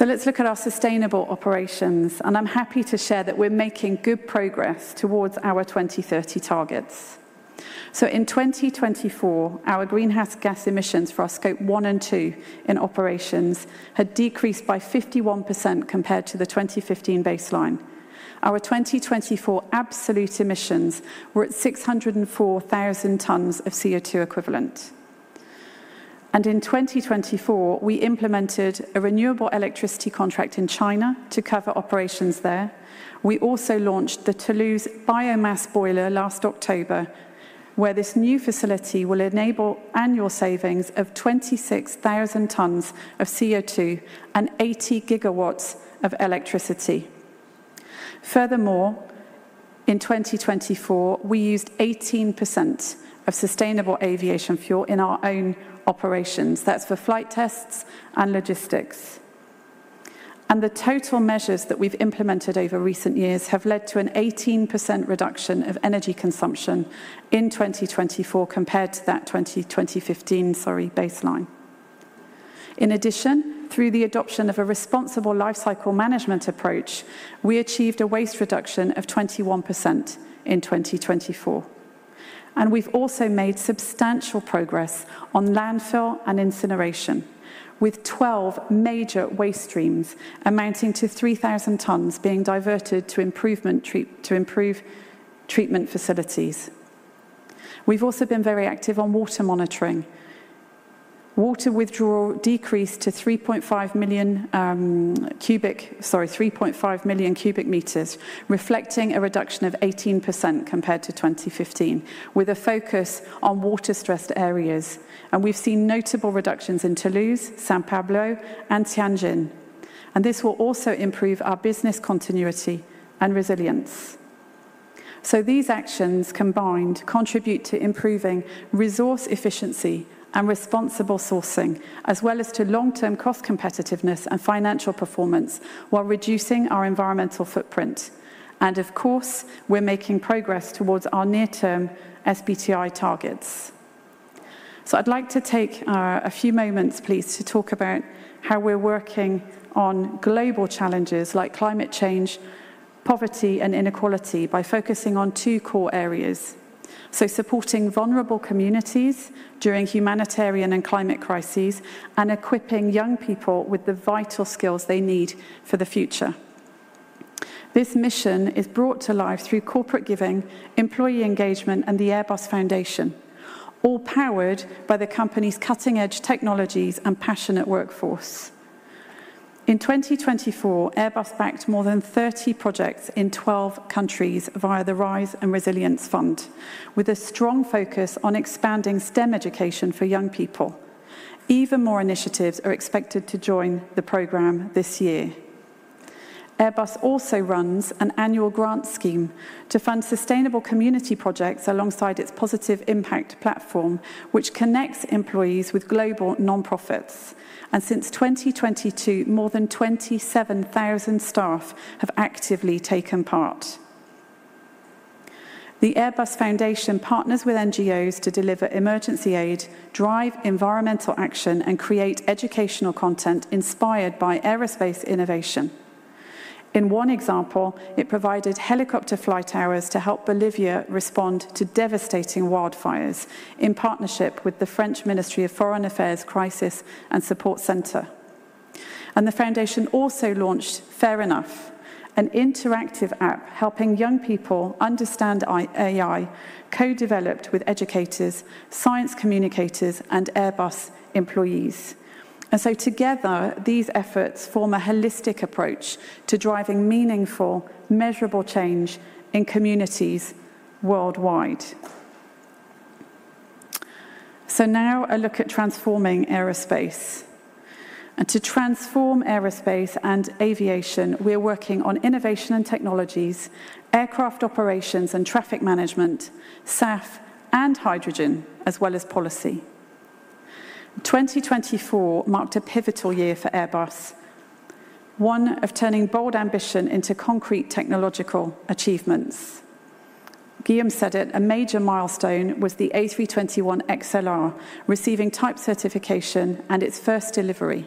Let's look at our sustainable operations, and I'm happy to share that we're making good progress towards our 2030 targets. In 2024, our greenhouse gas emissions for our scope 1 and 2 in operations had decreased by 51% compared to the 2015 baseline. Our 2024 absolute emissions were at 604,000 tons of CO2 equivalent. In 2024, we implemented a renewable electricity contract in China to cover operations there. We also launched the Toulouse biomass boiler last October, where this new facility will enable annual savings of 26,000 tons of CO2 and 80 gigawatt hours of electricity. Furthermore, in 2024, we used 18% of sustainable aviation fuel in our own operations. That's for flight tests and logistics. The total measures that we've implemented over recent years have led to an 18% reduction of energy consumption in 2024 compared to that 2015, sorry, baseline. In addition, through the adoption of a responsible life cycle management approach, we achieved a waste reduction of 21% in 2024. We have also made substantial progress on landfill and incineration, with 12 major waste streams amounting to 3,000 tons being diverted to improvement treatment facilities. We have also been very active on water monitoring. Water withdrawal decreased to 3.5 million cubic meters, reflecting a reduction of 18% compared to 2015, with a focus on water-stressed areas. We have seen notable reductions in Toulouse, São Paulo, and Tianjin. This will also improve our business continuity and resilience. These actions combined contribute to improving resource efficiency and responsible sourcing, as well as to long-term cost competitiveness and financial performance while reducing our environmental footprint. Of course, we are making progress towards our near-term SBTi targets. I'd like to take a few moments, please, to talk about how we're working on global challenges like climate change, poverty, and inequality by focusing on two core areas. Supporting vulnerable communities during humanitarian and climate crises and equipping young people with the vital skills they need for the future. This mission is brought to life through corporate giving, employee engagement, and the Airbus Foundation, all powered by the company's cutting-edge technologies and passionate workforce. In 2024, Airbus backed more than 30 projects in 12 countries via the Rise and Resilience Fund, with a strong focus on expanding STEM education for young people. Even more initiatives are expected to join the program this year. Airbus also runs an annual grant scheme to fund sustainable community projects alongside its Positive Impact platform, which connects employees with global nonprofits. Since 2022, more than 27,000 staff have actively taken part. The Airbus Foundation partners with NGOs to deliver emergency aid, drive environmental action, and create educational content inspired by aerospace innovation. In one example, it provided helicopter flight hours to help Bolivia respond to devastating wildfires in partnership with the French Ministry of Foreign Affairs Crisis and Support Center. The foundation also launched Fair Enough, an interactive app helping young people understand AI, co-developed with educators, science communicators, and Airbus employees. Together, these efforts form a holistic approach to driving meaningful, measurable change in communities worldwide. Now a look at transforming aerospace. To transform aerospace and aviation, we're working on innovation and technologies, aircraft operations and traffic management, SAF, and hydrogen, as well as policy. 2024 marked a pivotal year for Airbus, one of turning bold ambition into concrete technological achievements. Guillaume said it, a major milestone was the A321XLR receiving type certification and its first delivery.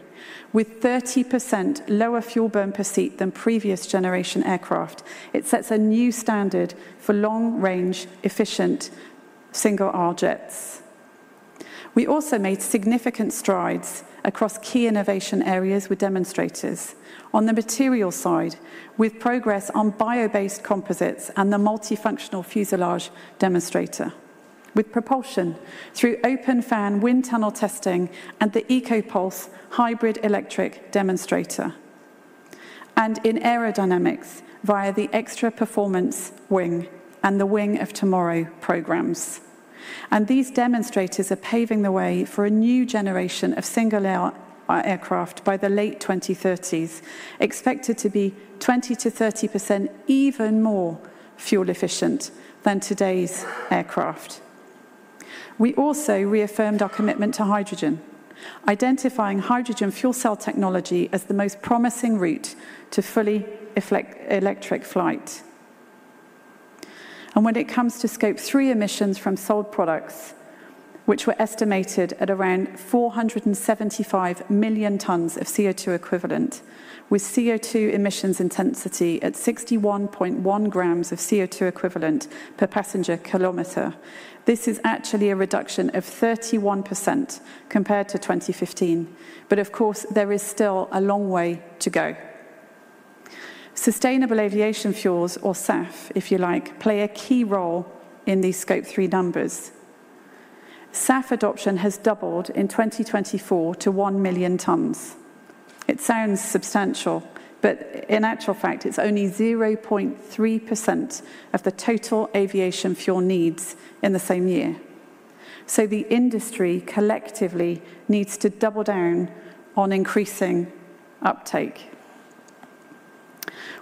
With 30% lower fuel burn per seat than previous generation aircraft, it sets a new standard for long-range efficient single-aisle jets. We also made significant strides across key innovation areas with demonstrators. On the material side, with progress on bio-based composites and the multifunctional fuselage demonstrator, with propulsion through open-fan wind tunnel testing and the EcoPulse hybrid electric demonstrator. In aerodynamics via the Extra Performance Wing and the Wing of Tomorrow programs. These demonstrators are paving the way for a new generation of single-aisle aircraft by the late 2030s, expected to be 20-30% even more fuel efficient than today's aircraft. We also reaffirmed our commitment to hydrogen, identifying hydrogen fuel cell technology as the most promising route to fully electric flight. When it comes to scope 3 emissions from sold products, which were estimated at around 475 million tons of CO2 equivalent, with CO2 emissions intensity at 61.1 grams of CO2 equivalent per passenger kilometer, this is actually a reduction of 31% compared to 2015. Of course, there is still a long way to go. Sustainable aviation fuels, or SAF, if you like, play a key role in these scope 3 numbers. SAF adoption has doubled in 2024 to 1 million tons. It sounds substantial, but in actual fact, it is only 0.3% of the total aviation fuel needs in the same year. The industry collectively needs to double down on increasing uptake.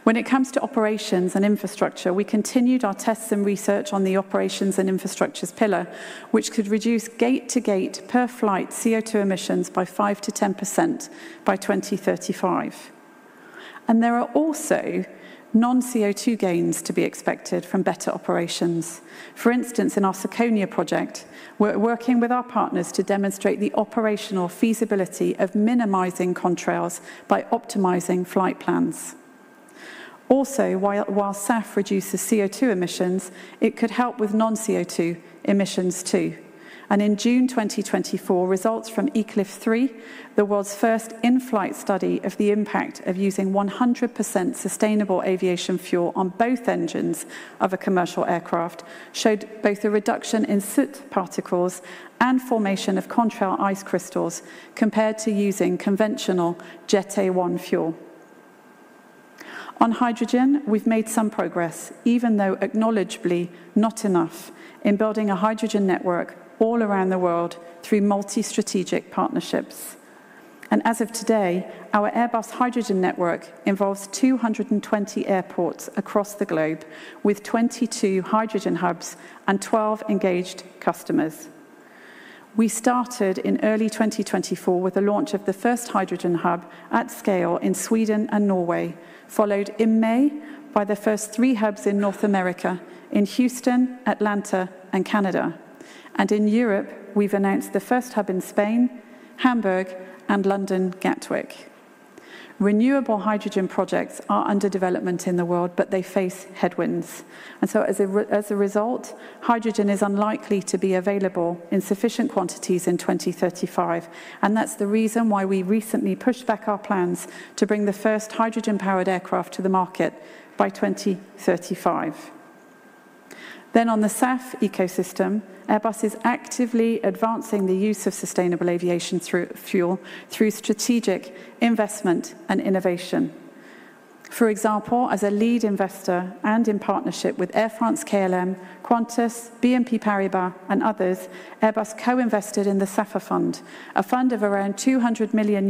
When it comes to operations and infrastructure, we continued our tests and research on the operations and infrastructures pillar, which could reduce gate-to-gate per flight CO2 emissions by 5-10% by 2035. There are also non-CO2 gains to be expected from better operations. For instance, in our CICONIA project, we're working with our partners to demonstrate the operational feasibility of minimizing contrails by optimizing flight plans. Also, while SAF reduces CO2 emissions, it could help with non-CO2 emissions too. In June 2024, results from Eclif 3, the world's first in-flight study of the impact of using 100% sustainable aviation fuel on both engines of a commercial aircraft, showed both a reduction in soot particles and formation of contrail ice crystals compared to using conventional Jet A1 fuel. On hydrogen, we've made some progress, even though acknowledgeably not enough, in building a hydrogen network all around the world through multi-strategic partnerships. As of today, our Airbus hydrogen network involves 220 airports across the globe with 22 hydrogen hubs and 12 engaged customers. We started in early 2024 with the launch of the first hydrogen hub at scale in Sweden and Norway, followed in May by the first three hubs in North America, in Houston, Atlanta, and Canada. In Europe, we've announced the first hub in Spain, Hamburg, and London Gatwick. Renewable hydrogen projects are under development in the world, but they face headwinds. As a result, hydrogen is unlikely to be available in sufficient quantities in 2035. That's the reason why we recently pushed back our plans to bring the first hydrogen-powered aircraft to the market by 2035. On the SAF ecosystem, Airbus is actively advancing the use of sustainable aviation fuel through strategic investment and innovation. For example, as a lead investor and in partnership with Air France, KLM, Qantas, BNP Paribas, and others, Airbus co-invested in the SAFFA fund, a fund of around $200 million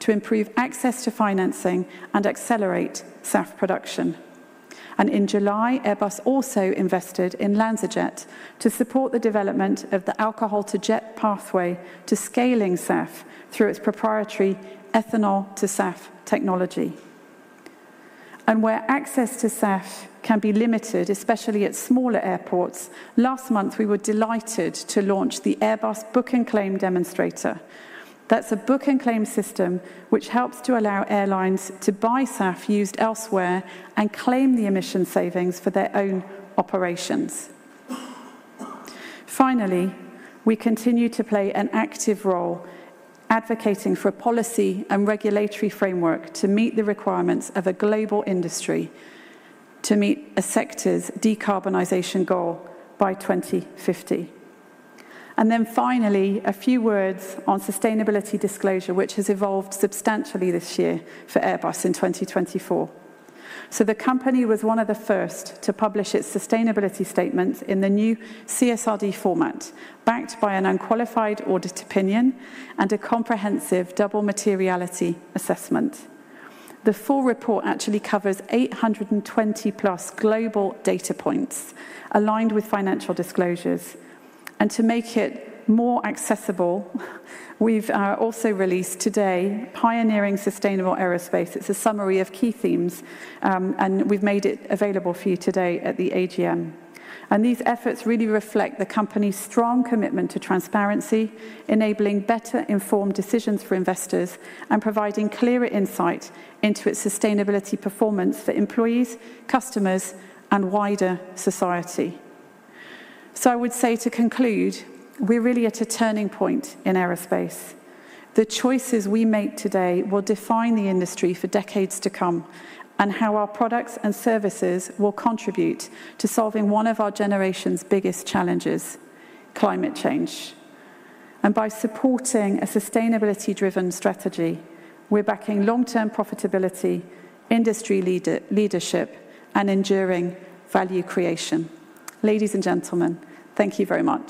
to improve access to financing and accelerate SAF production. In July, Airbus also invested in LanzaJet to support the development of the alcohol-to-jet pathway to scaling SAF through its proprietary ethanol-to-SAF technology. Where access to SAF can be limited, especially at smaller airports, last month we were delighted to launch the Airbus Book and Claim demonstrator. That is a book and claim system which helps to allow airlines to buy SAF used elsewhere and claim the emission savings for their own operations. Finally, we continue to play an active role advocating for a policy and regulatory framework to meet the requirements of a global industry to meet a sector's decarbonization goal by 2050. Finally, a few words on sustainability disclosure, which has evolved substantially this year for Airbus in 2024. The company was one of the first to publish its sustainability statements in the new CSRD format, backed by an unqualified audit opinion and a comprehensive double materiality assessment. The full report actually covers 820-plus global data points aligned with financial disclosures. To make it more accessible, we have also released today Pioneering Sustainable Aerospace. It is a summary of key themes, and we have made it available for you today at the AGM. These efforts really reflect the company's strong commitment to transparency, enabling better informed decisions for investors and providing clearer insight into its sustainability performance for employees, customers, and wider society. I would say to conclude, we are really at a turning point in aerospace. The choices we make today will define the industry for decades to come and how our products and services will contribute to solving one of our generation's biggest challenges, climate change. By supporting a sustainability-driven strategy, we're backing long-term profitability, industry leadership, and enduring value creation. Ladies and gentlemen, thank you very much.